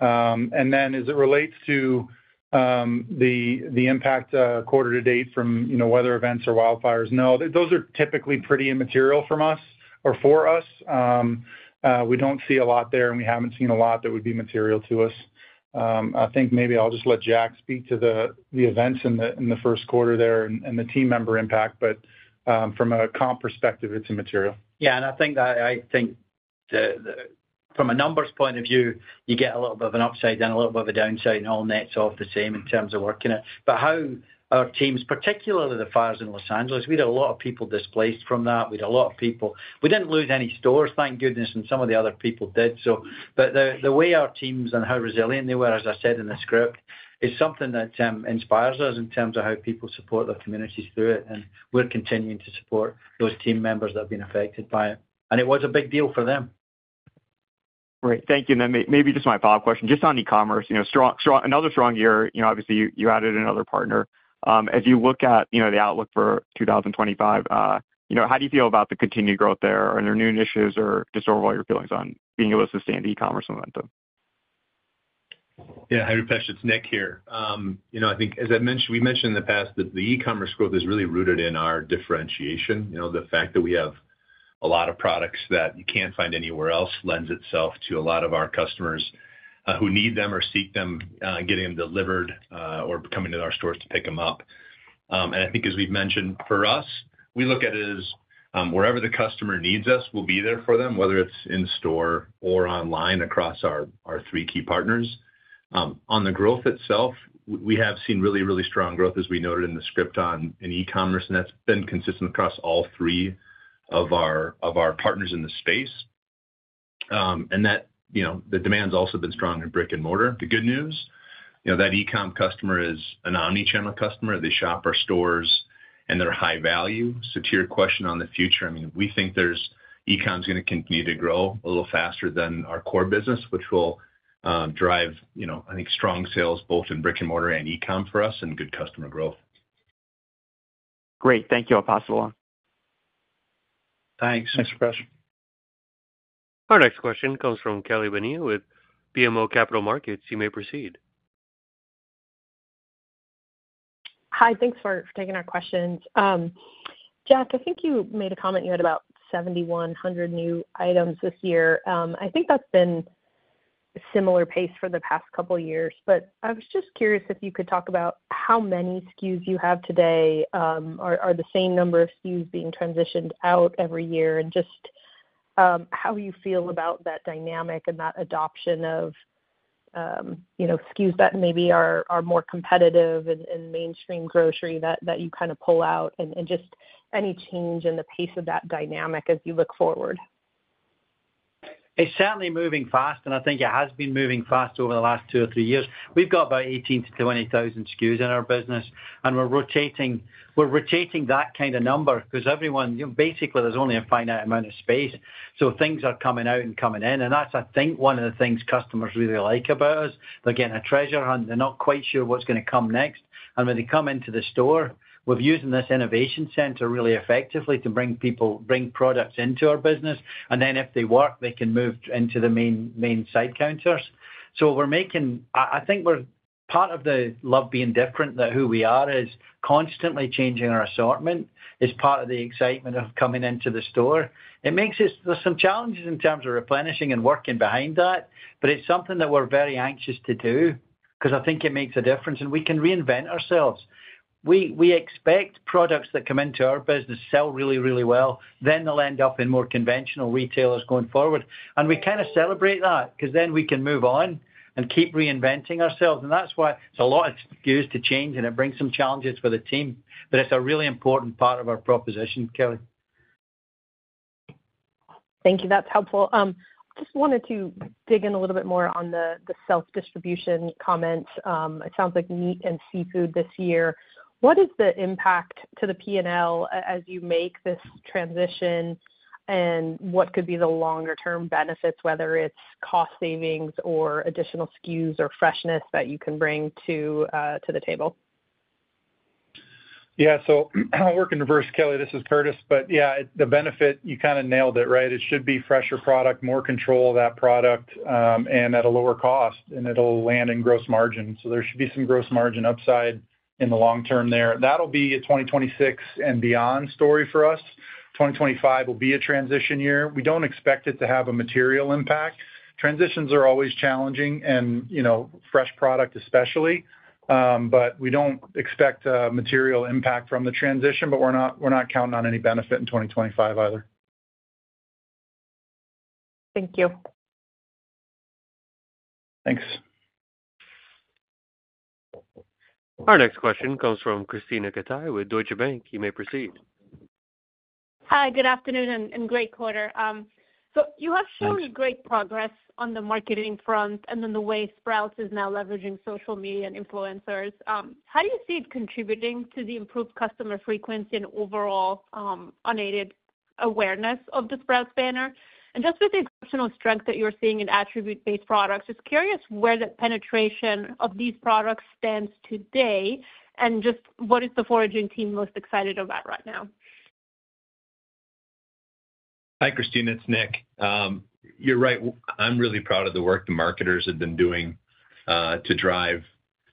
And then as it relates to the impact quarter to date from weather events or wildfires, no, those are typically pretty immaterial from us or for us. We don't see a lot there, and we haven't seen a lot that would be material to us. I think maybe I'll just let Jack speak to the events in the first quarter there and the team member impact, but from a comp perspective, it's immaterial. Yeah. And I think from a numbers point of view, you get a little bit of an upside and a little bit of a downside, and all nets off the same in terms of working it. But how our teams, particularly the fires in Los Angeles, we had a lot of people displaced from that. We had a lot of people. We didn't lose any stores, thank goodness, and some of the other people did. But the way our teams and how resilient they were, as I said in the script, is something that inspires us in terms of how people support their communities through it. And we're continuing to support those team members that have been affected by it. And it was a big deal for them. Great. Thank you. And then maybe just my follow-up question. Just on e-commerce, another strong year, obviously, you added another partner. As you look at the outlook for 2025, how do you feel about the continued growth there? Are there new initiatives or just overall your feelings on being able to sustain the e-commerce momentum? Yeah. Hi, Rupesh. It's Nick here. I think, as I mentioned, we mentioned in the past that the e-commerce growth is really rooted in our differentiation. The fact that we have a lot of products that you can't find anywhere else lends itself to a lot of our customers who need them or seek them, getting them delivered or coming to our stores to pick them up. And I think, as we've mentioned, for us, we look at it as wherever the customer needs us, we'll be there for them, whether it's in store or online across our three key partners. On the growth itself, we have seen really, really strong growth, as we noted in the script, on e-commerce, and that's been consistent across all three of our partners in the space. And the demand's also been strong in brick-and-mortar. The good news, that e-com customer is an omnichannel customer. They shop our stores, and they're high value. So to your question on the future, I mean, we think e-com's going to continue to grow a little faster than our core business, which will drive, I think, strong sales both in brick-and-mortar and e-com for us and good customer growth. Great. Thank you, I'll pass it on. Thanks. Thanks, Rupesh. Our next question comes from Kelly Bania with BMO Capital Markets. You may proceed. Hi. Thanks for taking our questions. Jack, I think you made a comment you had about 7,100 new items this year. I think that's been a similar pace for the past couple of years. But I was just curious if you could talk about how many SKUs you have today are the same number of SKUs being transitioned out every year and just how you feel about that dynamic and that adoption of SKUs that maybe are more competitive in mainstream grocery that you kind of pull out and just any change in the pace of that dynamic as you look forward. It's certainly moving fast, and I think it has been moving fast over the last two or three years. We've got about 18,000-20,000 SKUs in our business, and we're rotating that kind of number because basically, there's only a finite amount of space. So things are coming out and coming in. And that's, I think, one of the things customers really like about us. They're getting a treasure hunt. They're not quite sure what's going to come next. And when they come into the store, we're using this innovation center really effectively to bring products into our business. And then if they work, they can move into the main side counters. So I think part of the love being different that who we are is constantly changing our assortment is part of the excitement of coming into the store. There's some challenges in terms of replenishing and working behind that, but it's something that we're very anxious to do because I think it makes a difference. And we can reinvent ourselves. We expect products that come into our business sell really, really well. Then they'll end up in more conventional retailers going forward. And we kind of celebrate that because then we can move on and keep reinventing ourselves. And that's why it's a lot of SKUs to change, and it brings some challenges for the team. But it's a really important part of our proposition, Kelly. Thank you. That's helpful. I just wanted to dig in a little bit more on the self-distribution comments. It sounds like meat and seafood this year. What is the impact to the P&L as you make this transition, and what could be the longer-term benefits, whether it's cost savings or additional SKUs or freshness that you can bring to the table? Yeah. So I work in reverse, Kelly. This is Curtis. But yeah, the benefit, you kind of nailed it, right? It should be fresher product, more control of that product, and at a lower cost, and it'll land in gross margin. So there should be some gross margin upside in the long term there. That'll be a 2026 and beyond story for us. 2025 will be a transition year. We don't expect it to have a material impact. Transitions are always challenging, and fresh product especially. But we don't expect a material impact from the transition, but we're not counting on any benefit in 2025 either. Thank you. Thanks. Our next question comes from Krisztina Katai with Deutsche Bank. You may proceed. Hi. Good afternoon and great quarter. So you have shown great progress on the marketing front and then the way Sprouts is now leveraging social media and influencers. How do you see it contributing to the improved customer frequency and overall unaided awareness of the Sprouts banner? And just with the exceptional strength that you're seeing in attribute-based products, just curious where the penetration of these products stands today and just what is the foraging team most excited about right now? Hi, Krisztina. It's Nick. You're right. I'm really proud of the work the marketers have been doing to drive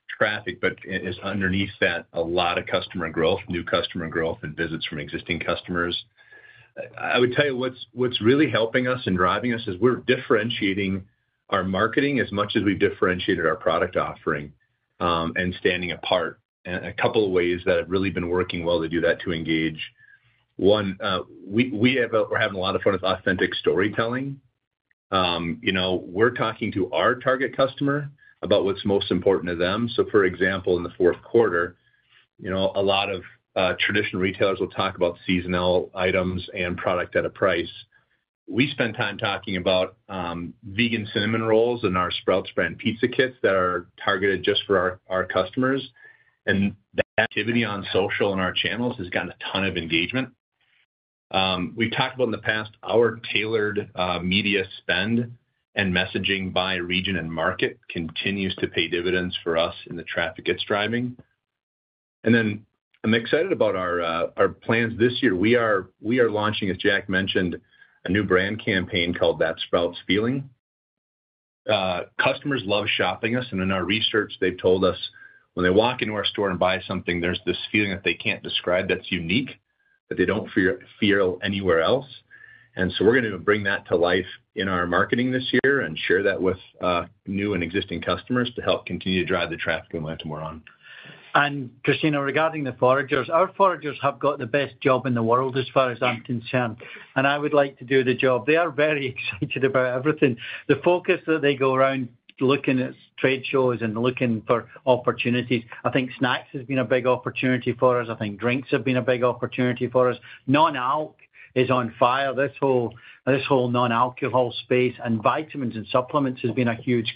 traffic, but it's underneath that a lot of customer growth, new customer growth, and visits from existing customers. I would tell you what's really helping us and driving us is we're differentiating our marketing as much as we've differentiated our product offering and standing apart. And a couple of ways that have really been working well to do that to engage. One, we're having a lot of fun with authentic storytelling. We're talking to our target customer about what's most important to them. So for example, in the fourth quarter, a lot of traditional retailers will talk about seasonal items and product at a price. We spend time talking about vegan cinnamon rolls in our Sprouts Brand pizza kits that are targeted just for our customers. That activity on social and our channels has gotten a ton of engagement. We've talked about in the past our tailored media spend and messaging by region and market continues to pay dividends for us in the traffic it's driving. I'm excited about our plans this year. We are launching, as Jack mentioned, a new brand campaign called That Sprouts Feeling. Customers love shopping us. In our research, they've told us when they walk into our store and buy something, there's this feeling that they can't describe that's unique that they don't feel anywhere else. We're going to bring that to life in our marketing this year and share that with new and existing customers to help continue to drive the traffic and momentum we're on. Krisztina, regarding the foragers, our foragers have got the best job in the world as far as I'm concerned. I would like to do the job. They are very excited about everything. The focus that they go around looking at trade shows and looking for opportunities. I think snacks has been a big opportunity for us. I think drinks have been a big opportunity for us. Non-alc is on fire. This whole non-alcohol space and vitamins and supplements has been huge.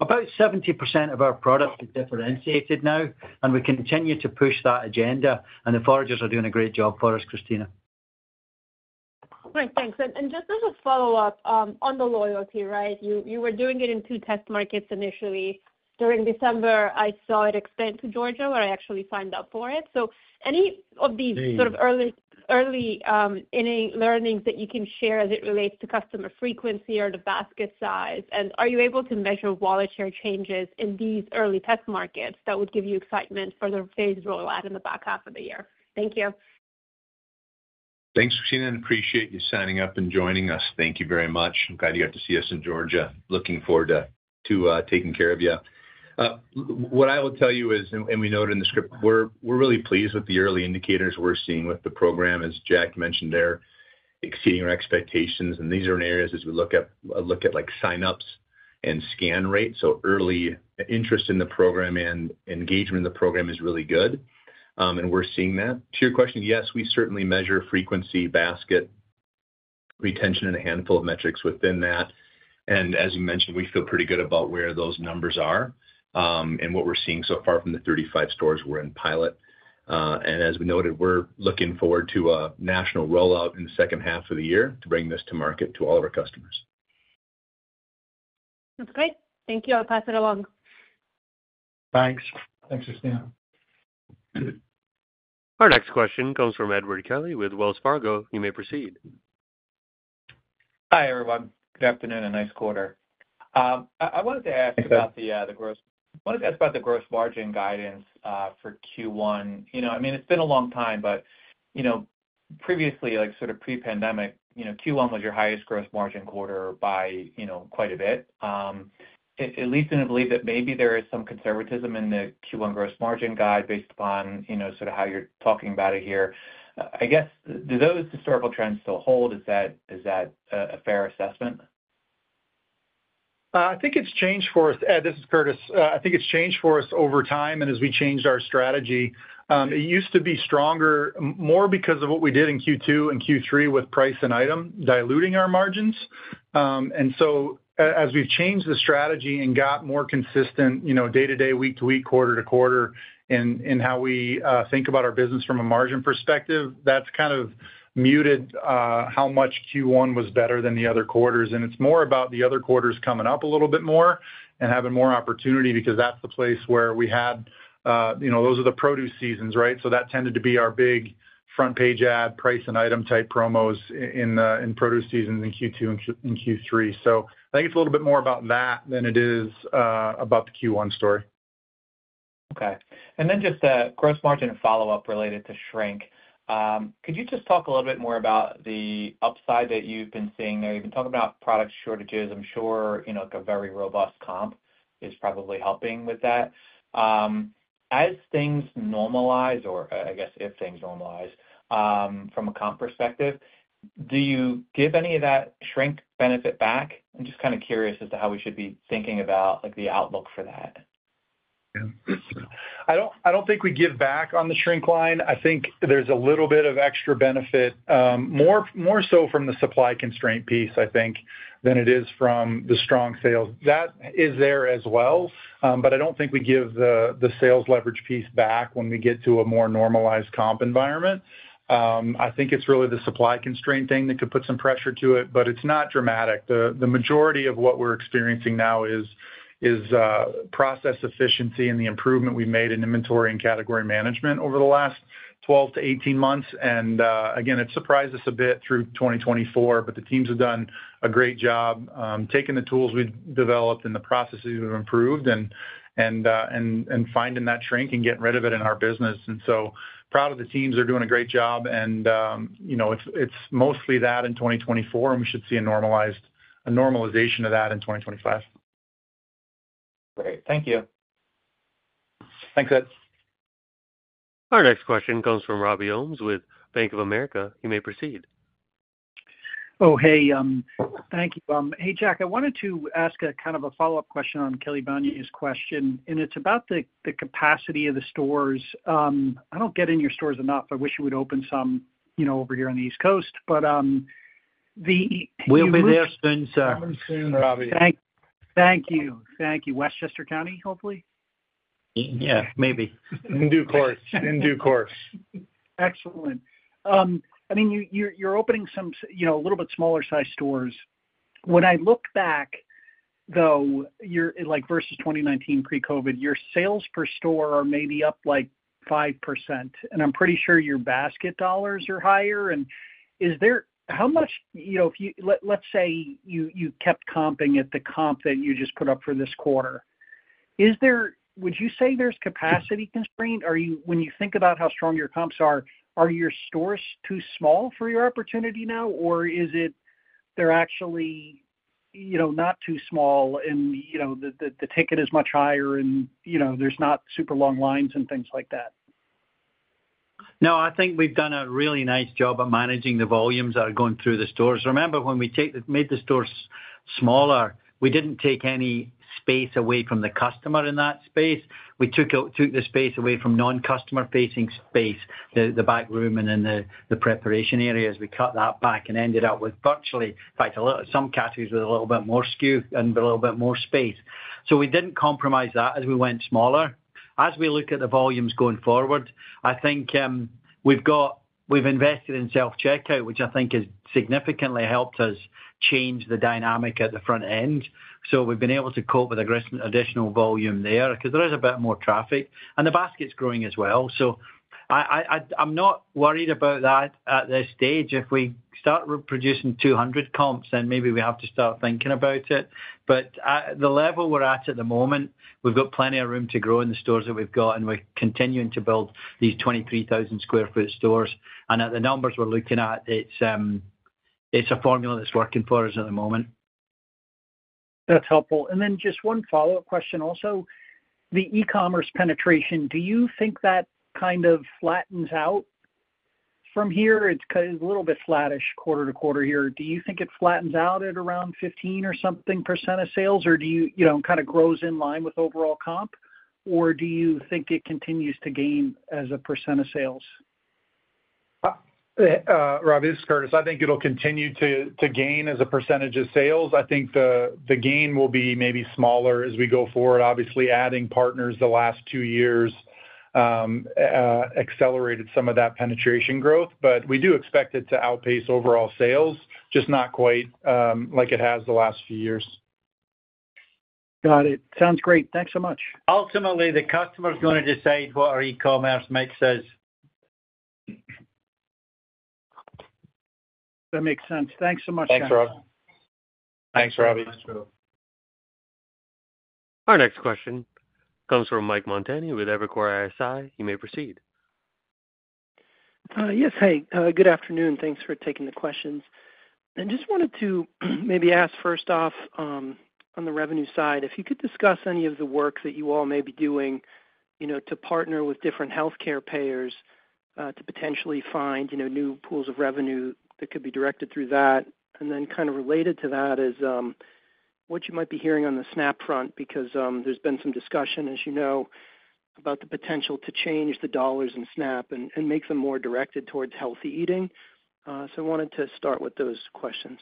About 70% of our product is differentiated now. We continue to push that agenda. The foragers are doing a great job for us, Krisztina. All right. Thanks. And just as a follow-up on the loyalty, right? You were doing it in two test markets initially. During December, I saw it expand to Georgia, where I actually signed up for it. So any of these sort of early learnings that you can share as it relates to customer frequency or the basket size? And are you able to measure wallet share changes in these early test markets that would give you excitement for the phase rollout in the back half of the year? Thank you. Thanks, Krisztina. And appreciate you signing up and joining us. Thank you very much. I'm glad you got to see us in Georgia. Looking forward to taking care of you. What I will tell you is, and we noted in the script, we're really pleased with the early indicators we're seeing with the program. As Jack mentioned, they're exceeding our expectations. And these are in areas as we look at sign-ups and scan rate. So early interest in the program and engagement in the program is really good. And we're seeing that. To your question, yes, we certainly measure frequency, basket retention, and a handful of metrics within that. And as you mentioned, we feel pretty good about where those numbers are and what we're seeing so far from the 35 stores we're in pilot. As we noted, we're looking forward to a national rollout in the second half of the year to bring this to market to all of our customers. That's great. Thank you. I'll pass it along. Thanks. Thanks, Krisztina. Our next question comes from Edward Kelly with Wells Fargo. You may proceed. Hi, everyone. Good afternoon and nice quarter. I wanted to ask about the gross margin guidance for Q1. I mean, it's been a long time, but previously, sort of pre-pandemic, Q1 was your highest gross margin quarter by quite a bit. At least I believe that maybe there is some conservatism in the Q1 gross margin guide based upon sort of how you're talking about it here. I guess, do those historical trends still hold? Is that a fair assessment? I think it's changed for us. This is Curtis. I think it's changed for us over time and as we changed our strategy. It used to be stronger, more because of what we did in Q2 and Q3 with price and item diluting our margins. And so as we've changed the strategy and got more consistent day-to-day, week-to-week, quarter-to-quarter in how we think about our business from a margin perspective, that's kind of muted how much Q1 was better than the other quarters. And it's more about the other quarters coming up a little bit more and having more opportunity because that's the place where those are the produce seasons, right? So that tended to be our big front-page ad, price and item type promos in produce seasons in Q2 and Q3. So I think it's a little bit more about that than it is about the Q1 story. Okay. And then just a gross margin follow-up related to shrink. Could you just talk a little bit more about the upside that you've been seeing there? You've been talking about product shortages. I'm sure a very robust comp is probably helping with that. As things normalize, or I guess if things normalize from a comp perspective, do you give any of that shrink benefit back? I'm just kind of curious as to how we should be thinking about the outlook for that? I don't think we give back on the shrink line. I think there's a little bit of extra benefit, more so from the supply constraint piece, I think, than it is from the strong sales. That is there as well. But I don't think we give the sales leverage piece back when we get to a more normalized comp environment. I think it's really the supply constraint thing that could put some pressure to it, but it's not dramatic. The majority of what we're experiencing now is process efficiency and the improvement we've made in inventory and category management over the last 12-18 months, and again, it surprised us a bit through 2024, but the teams have done a great job taking the tools we've developed and the processes we've improved and finding that shrink and getting rid of it in our business. And so proud of the teams. They're doing a great job. And it's mostly that in 2024, and we should see a normalization of that in 2025. Great. Thank you. Thanks, Ed. Our next question comes from Robbie Ohmes with Bank of America. You may proceed. Oh, hey. Thank you. Hey, Jack, I wanted to ask kind of a follow-up question on Kelly Bania's question. And it's about the capacity of the stores. I don't get in your stores enough. I wish you would open some over here on the East Coast. But the. We'll be there soon, sir. Coming soon, Robbie. Thank you. Thank you. Westchester County, hopefully? Yeah, maybe. In due course. In due course. Excellent. I mean, you're opening some a little bit smaller-sized stores. When I look back, though, versus 2019 pre-COVID, your sales per store are maybe up like 5%. And I'm pretty sure your basket dollars are higher. And how much, if you let's say you kept comping at the comp that you just put up for this quarter, would you say there's capacity constraint? When you think about how strong your comps are, are your stores too small for your opportunity now, or is it they're actually not too small and the ticket is much higher and there's not super long lines and things like that? No, I think we've done a really nice job of managing the volumes that are going through the stores. Remember, when we made the stores smaller, we didn't take any space away from the customer in that space. We took the space away from non-customer-facing space, the back room and then the preparation areas. We cut that back and ended up with virtually, in fact, some categories with a little bit more SKU and a little bit more space. So we didn't compromise that as we went smaller. As we look at the volumes going forward, I think we've invested in self-checkout, which I think has significantly helped us change the dynamic at the front end. So we've been able to cope with the additional volume there because there is a bit more traffic. And the basket's growing as well. So I'm not worried about that at this stage. If we start producing 200 comps, then maybe we have to start thinking about it, but at the level we're at at the moment, we've got plenty of room to grow in the stores that we've got, and we're continuing to build these 23,000 sq ft stores, and at the numbers we're looking at, it's a formula that's working for us at the moment. That's helpful. And then just one follow-up question also. The e-commerce penetration, do you think that kind of flattens out from here? It's a little bit flattish quarter to quarter here. Do you think it flattens out at around 15 or something percent of sales, or do you kind of grows in line with overall comp, or do you think it continues to gain as a percent of sales? Robbie, this is Curtis. I think it'll continue to gain as a percentage of sales. I think the gain will be maybe smaller as we go forward. Obviously, adding partners the last two years accelerated some of that penetration growth, but we do expect it to outpace overall sales, just not quite like it has the last few years. Got it. Sounds great. Thanks so much. Ultimately, the customer is going to decide what our e-commerce makes us. That makes sense. Thanks so much, guys. Thanks, Robbie. Thanks, Robbie. Our next question comes from Mike Montani with Evercore ISI. You may proceed. Yes, hey. Good afternoon. Thanks for taking the questions, and just wanted to maybe ask first off on the revenue side, if you could discuss any of the work that you all may be doing to partner with different healthcare payers to potentially find new pools of revenue that could be directed through that. And then kind of related to that is what you might be hearing on the SNAP front because there's been some discussion, as you know, about the potential to change the dollars in SNAP and make them more directed towards healthy eating, so I wanted to start with those questions.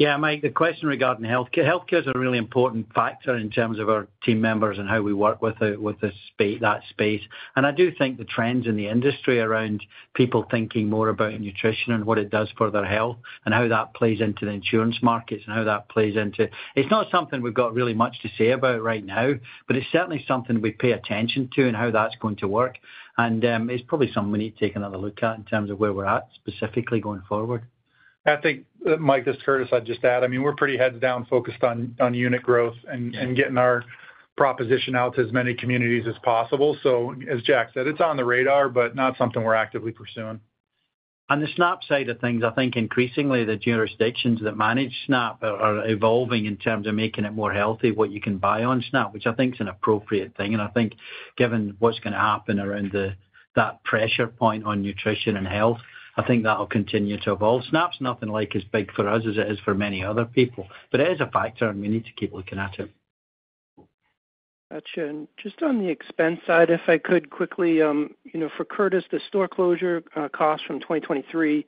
Yeah, Mike, the question regarding healthcare is a really important factor in terms of our team members and how we work with that space. And I do think the trends in the industry around people thinking more about nutrition and what it does for their health and how that plays into the insurance markets and how that plays into it's not something we've got really much to say about right now, but it's certainly something we pay attention to and how that's going to work. And it's probably something we need to take another look at in terms of where we're at specifically going forward. I think, Mike, this is Curtis. I'd just add, I mean, we're pretty heads down focused on unit growth and getting our proposition out to as many communities as possible. So as Jack said, it's on the radar, but not something we're actively pursuing. On the SNAP side of things, I think increasingly the jurisdictions that manage SNAP are evolving in terms of making it more healthy what you can buy on SNAP, which I think is an appropriate thing, and I think given what's going to happen around that pressure point on nutrition and health, I think that'll continue to evolve. SNAP's nothing like as big for us as it is for many other people, but it is a factor, and we need to keep looking at it. Gotcha. And just on the expense side, if I could quickly, for Curtis, the store closure costs from 2023,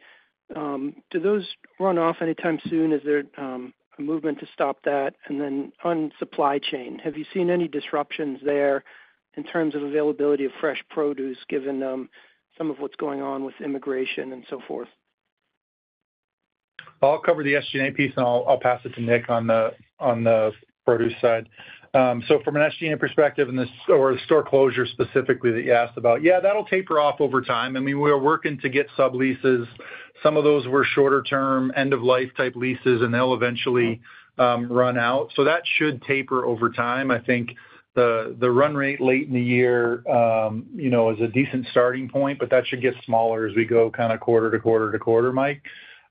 do those run off anytime soon? Is there a movement to stop that? And then on supply chain, have you seen any disruptions there in terms of availability of fresh produce given some of what's going on with immigration and so forth? I'll cover the SG&A piece, and I'll pass it to Nick on the produce side. So from an SG&A perspective or the store closure specifically that you asked about, yeah, that'll taper off over time. I mean, we are working to get sub-leases. Some of those were shorter-term end-of-life type leases, and they'll eventually run out. So that should taper over time. I think the run rate late in the year is a decent starting point, but that should get smaller as we go kind of quarter to quarter to quarter, Mike.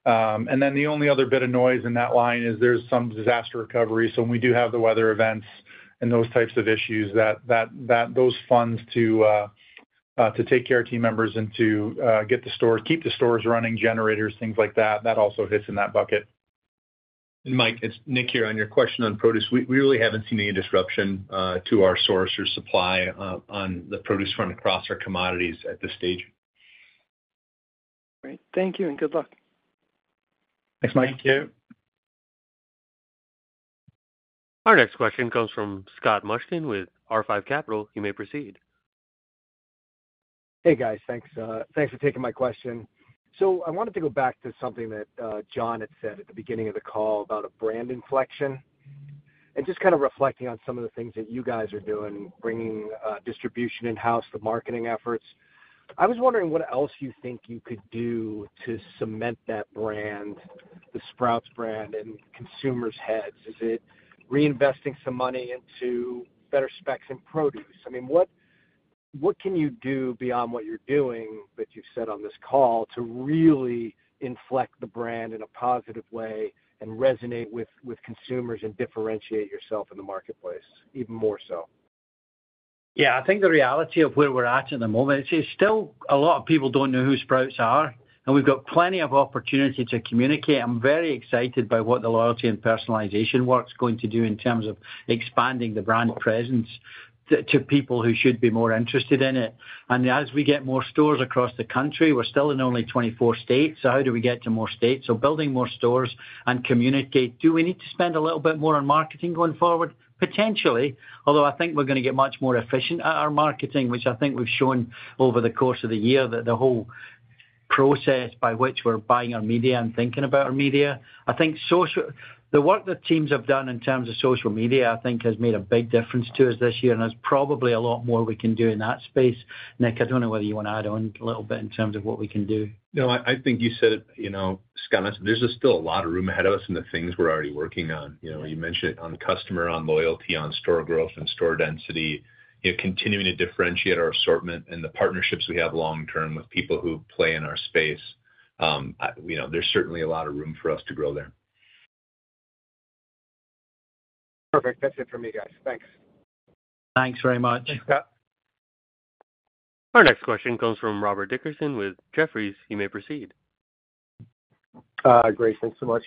And then the only other bit of noise in that line is there's some disaster recovery. So when we do have the weather events and those types of issues, those funds to take care of team members and to get the stores, keep the stores running, generators, things like that, that also hits in that bucket. Mike, it's Nick here on your question on produce. We really haven't seen any disruption to our source or supply on the produce front across our commodities at this stage. Great. Thank you and good luck. Thanks, Mike. Thank you. Our next question comes from Scott Mushkin with R5 Capital. You may proceed. Hey, guys. Thanks for taking my question. So I wanted to go back to something that John had said at the beginning of the call about a brand inflection and just kind of reflecting on some of the things that you guys are doing, bringing distribution in-house, the marketing efforts. I was wondering what else you think you could do to cement that brand, the Sprouts brand, in consumers' heads. Is it reinvesting some money into better specs and produce? I mean, what can you do beyond what you're doing that you've said on this call to really inflect the brand in a positive way and resonate with consumers and differentiate yourself in the marketplace even more so? Yeah, I think the reality of where we're at the moment is still a lot of people don't know who Sprouts are, and we've got plenty of opportunity to communicate. I'm very excited by what the loyalty and personalization work is going to do in terms of expanding the brand presence to people who should be more interested in it. And as we get more stores across the country, we're still in only 24 states, so how do we get to more states? So building more stores and communicate. Do we need to spend a little bit more on marketing going forward? Potentially, although I think we're going to get much more efficient at our marketing, which I think we've shown over the course of the year that the whole process by which we're buying our media and thinking about our media. I think the work that teams have done in terms of social media, I think, has made a big difference to us this year and has probably a lot more we can do in that space. Nick, I don't know whether you want to add on a little bit in terms of what we can do. No, I think you said it, Scott. There's still a lot of room ahead of us in the things we're already working on. You mentioned it on customer, on loyalty, on store growth and store density, continuing to differentiate our assortment and the partnerships we have long-term with people who play in our space. There's certainly a lot of room for us to grow there. Perfect. That's it for me, guys. Thanks. Thanks very much. Thanks, Scott. Our next question comes from Robert Dickerson with Jefferies. You may proceed. Great. Thanks so much.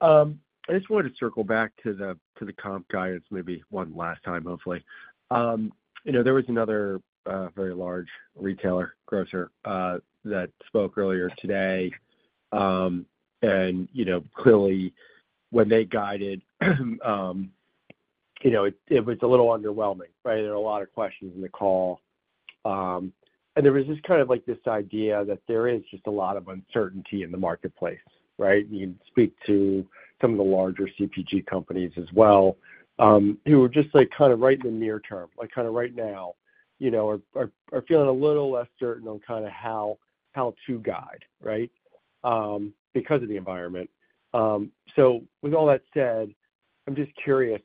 I just wanted to circle back to the comp guidance maybe one last time, hopefully. There was another very large retailer grocer that spoke earlier today. And clearly, when they guided, it was a little underwhelming, right? There were a lot of questions in the call. And there was just kind of this idea that there is just a lot of uncertainty in the marketplace, right? You can speak to some of the larger CPG companies as well who are just kind of right in the near term, kind of right now, are feeling a little less certain on kind of how to guide, right, because of the environment. So with all that said, I'm just curious.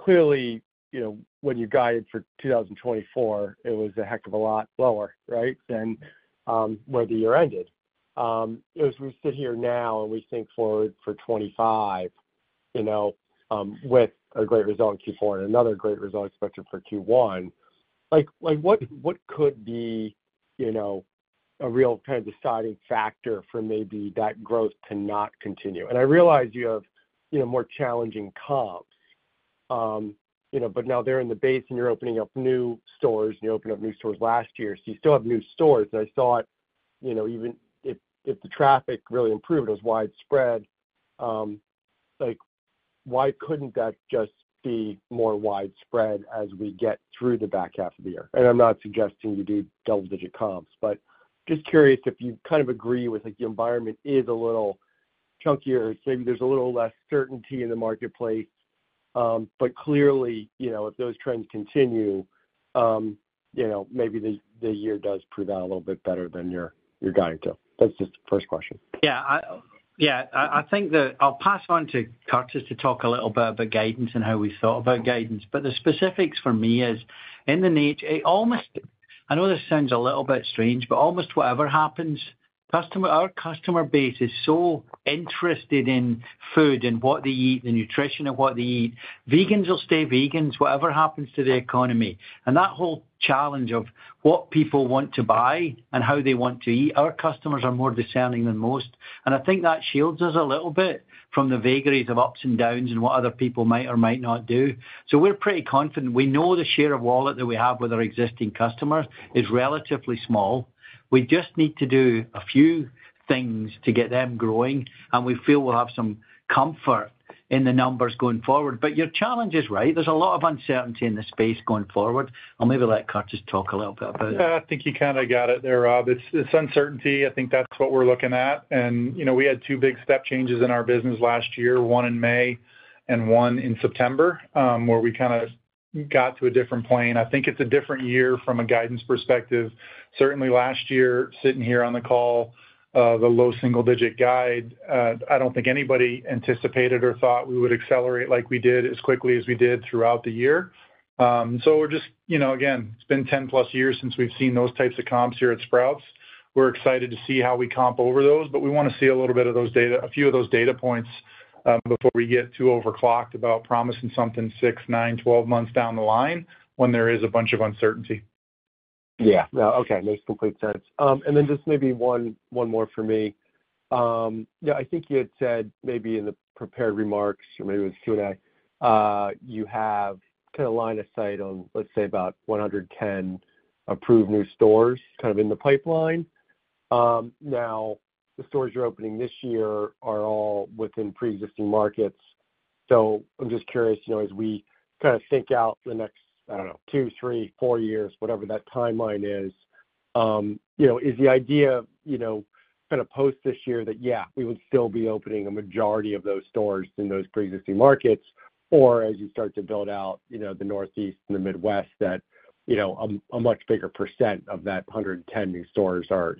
Clearly, when you guided for 2024, it was a heck of a lot lower, right, than where the year ended. As we sit here now and we think forward for 2025 with a great result in Q4 and another great result expected for Q1, what could be a real kind of deciding factor for maybe that growth to not continue? And I realize you have more challenging comps, but now they're in the base and you're opening up new stores, and you opened up new stores last year, so you still have new stores. And I thought even if the traffic really improved, it was widespread. Why couldn't that just be more widespread as we get through the back half of the year? And I'm not suggesting you do double-digit comps, but just curious if you kind of agree with the environment is a little chunkier? Maybe there's a little less certainty in the marketplace, but clearly, if those trends continue, maybe the year does prove out a little bit better than you're guiding to. That's just the first question. Yeah. Yeah. I think that I'll pass on to Curtis to talk a little bit about guidance and how we thought about guidance. But the specifics for me is in the niche, it almost, I know this sounds a little bit strange, but almost whatever happens, our customer base is so interested in food and what they eat, the nutrition of what they eat. Vegans will stay vegans, whatever happens to the economy. And that whole challenge of what people want to buy and how they want to eat, our customers are more discerning than most. And I think that shields us a little bit from the vagaries of ups and downs and what other people might or might not do. So we're pretty confident. We know the share of wallet that we have with our existing customers is relatively small. We just need to do a few things to get them growing, and we feel we'll have some comfort in the numbers going forward. But your challenge is right. There's a lot of uncertainty in the space going forward. I'll maybe let Curtis talk a little bit about it. I think you kind of got it there, Rob. It's uncertainty. I think that's what we're looking at, and we had two big step changes in our business last year, one in May and one in September, where we kind of got to a different plane. I think it's a different year from a guidance perspective. Certainly, last year, sitting here on the call, the low single-digit guide, I don't think anybody anticipated or thought we would accelerate like we did as quickly as we did throughout the year, so we're just, again, it's been 10-plus years since we've seen those types of comps here at Sprouts. We're excited to see how we comp over those, but we want to see a little bit of those data, a few of those data points before we get too overclocked about promising something six, nine, 12 months down the line when there is a bunch of uncertainty. Yeah. No, okay. Makes complete sense. And then just maybe one more for me. I think you had said maybe in the prepared remarks or maybe it was Q&A, you have kind of a line of sight on, let's say, about 110 approved new stores kind of in the pipeline. Now, the stores you're opening this year are all within pre-existing markets. So I'm just curious, as we kind of think out the next, I don't know, two, three, four years, whatever that timeline is, is the idea kind of post this year that, yeah, we would still be opening a majority of those stores in those pre-existing markets, or as you start to build out the Northeast and the Midwest, that a much bigger percent of that 110 new stores are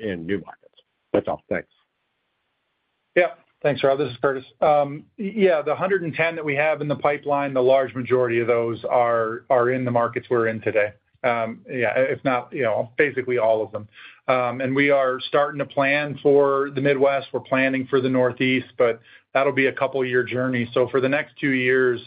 in new markets? That's all. Thanks. Yep. Thanks, Rob. This is Curtis. Yeah, the 110 that we have in the pipeline, the large majority of those are in the markets we're in today. Yeah, if not basically all of them. And we are starting to plan for the Midwest. We're planning for the Northeast, but that'll be a couple-year journey. So for the next two years,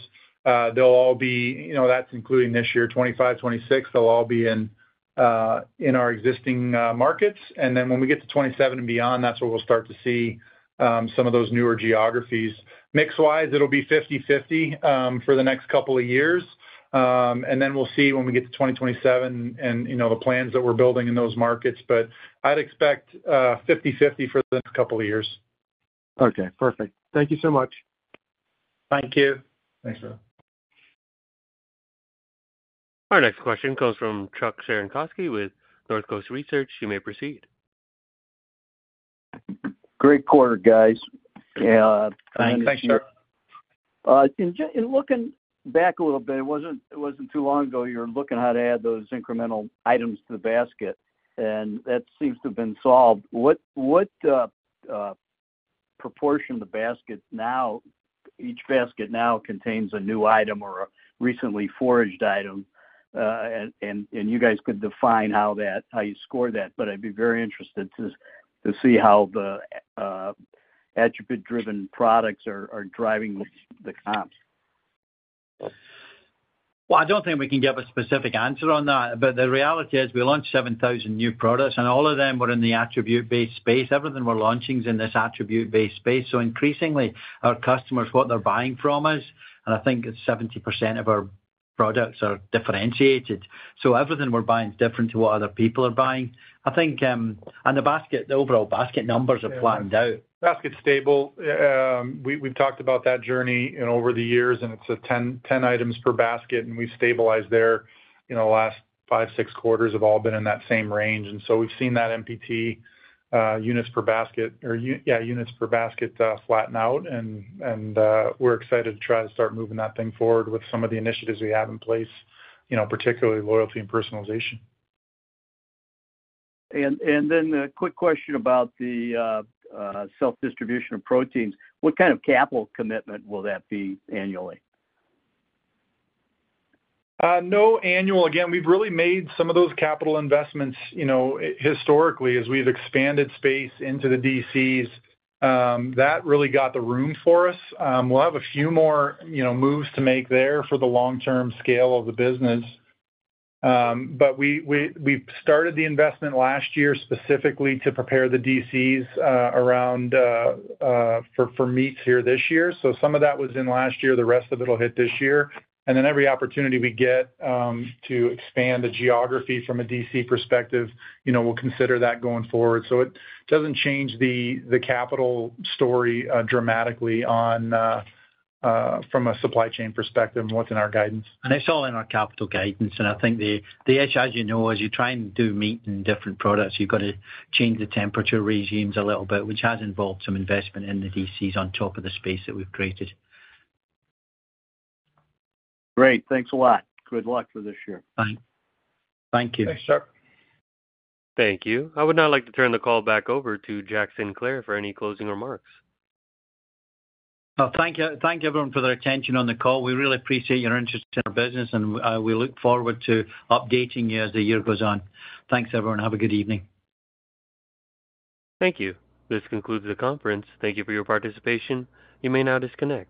they'll all be - that's including this year, 2025, 2026 - they'll all be in our existing markets. And then when we get to 2027 and beyond, that's where we'll start to see some of those newer geographies. Mix-wise, it'll be 50/50 for the next couple of years. And then we'll see when we get to 2027 and the plans that we're building in those markets. But I'd expect 50/50 for the next couple of years. Okay. Perfect. Thank you so much. Thank you. Thanks, Rob. Our next question comes from Chuck Cerankosky with North Coast Research. You may proceed. Great quarter, guys. Thanks, sir. Looking back a little bit, it wasn't too long ago you were looking at how to add those incremental items to the basket, and that seems to have been solved. What proportion of the basket now, each basket now contains a new item or a recently foraged item? You guys could define how you score that, but I'd be very interested to see how the attribute-driven products are driving the comps. I don't think we can give a specific answer on that, but the reality is we launched 7,000 new products, and all of them were in the attribute-based space. Everything we're launching is in this attribute-based space. So increasingly, our customers, what they're buying from us, and I think it's 70% of our products are differentiated. So everything we're buying is different to what other people are buying. I think on the basket, the overall basket numbers are flattened out. Basket's stable. We've talked about that journey over the years, and it's 10 items per basket, and we've stabilized there in the last five, six quarters, have all been in that same range, and so we've seen that MPT units per basket, or yeah, units per basket, flatten out, and we're excited to try to start moving that thing forward with some of the initiatives we have in place, particularly loyalty and personalization. A quick question about the self-distribution of proteins. What kind of capital commitment will that be annually? No annual. Again, we've really made some of those capital investments historically as we've expanded space into the DCs. That really got the room for us. We'll have a few more moves to make there for the long-term scale of the business, but we started the investment last year specifically to prepare the DCs around for meats here this year, so some of that was in last year. The rest of it will hit this year, and then every opportunity we get to expand the geography from a DC perspective, we'll consider that going forward, so it doesn't change the capital story dramatically from a supply chain perspective and what's in our guidance. And it's all in our capital guidance. And I think the issue, as you know, as you're trying to do meat and different products, you've got to change the temperature regimes a little bit, which has involved some investment in the DCs on top of the space that we've created. Great. Thanks a lot. Good luck for this year. Thanks. Thank you. Thanks, sir. Thank you. I would now like to turn the call back over to Jack Sinclair for any closing remarks. Thank you, everyone, for their attention on the call. We really appreciate your interest in our business, and we look forward to updating you as the year goes on. Thanks, everyone. Have a good evening. Thank you. This concludes the conference. Thank you for your participation. You may now disconnect.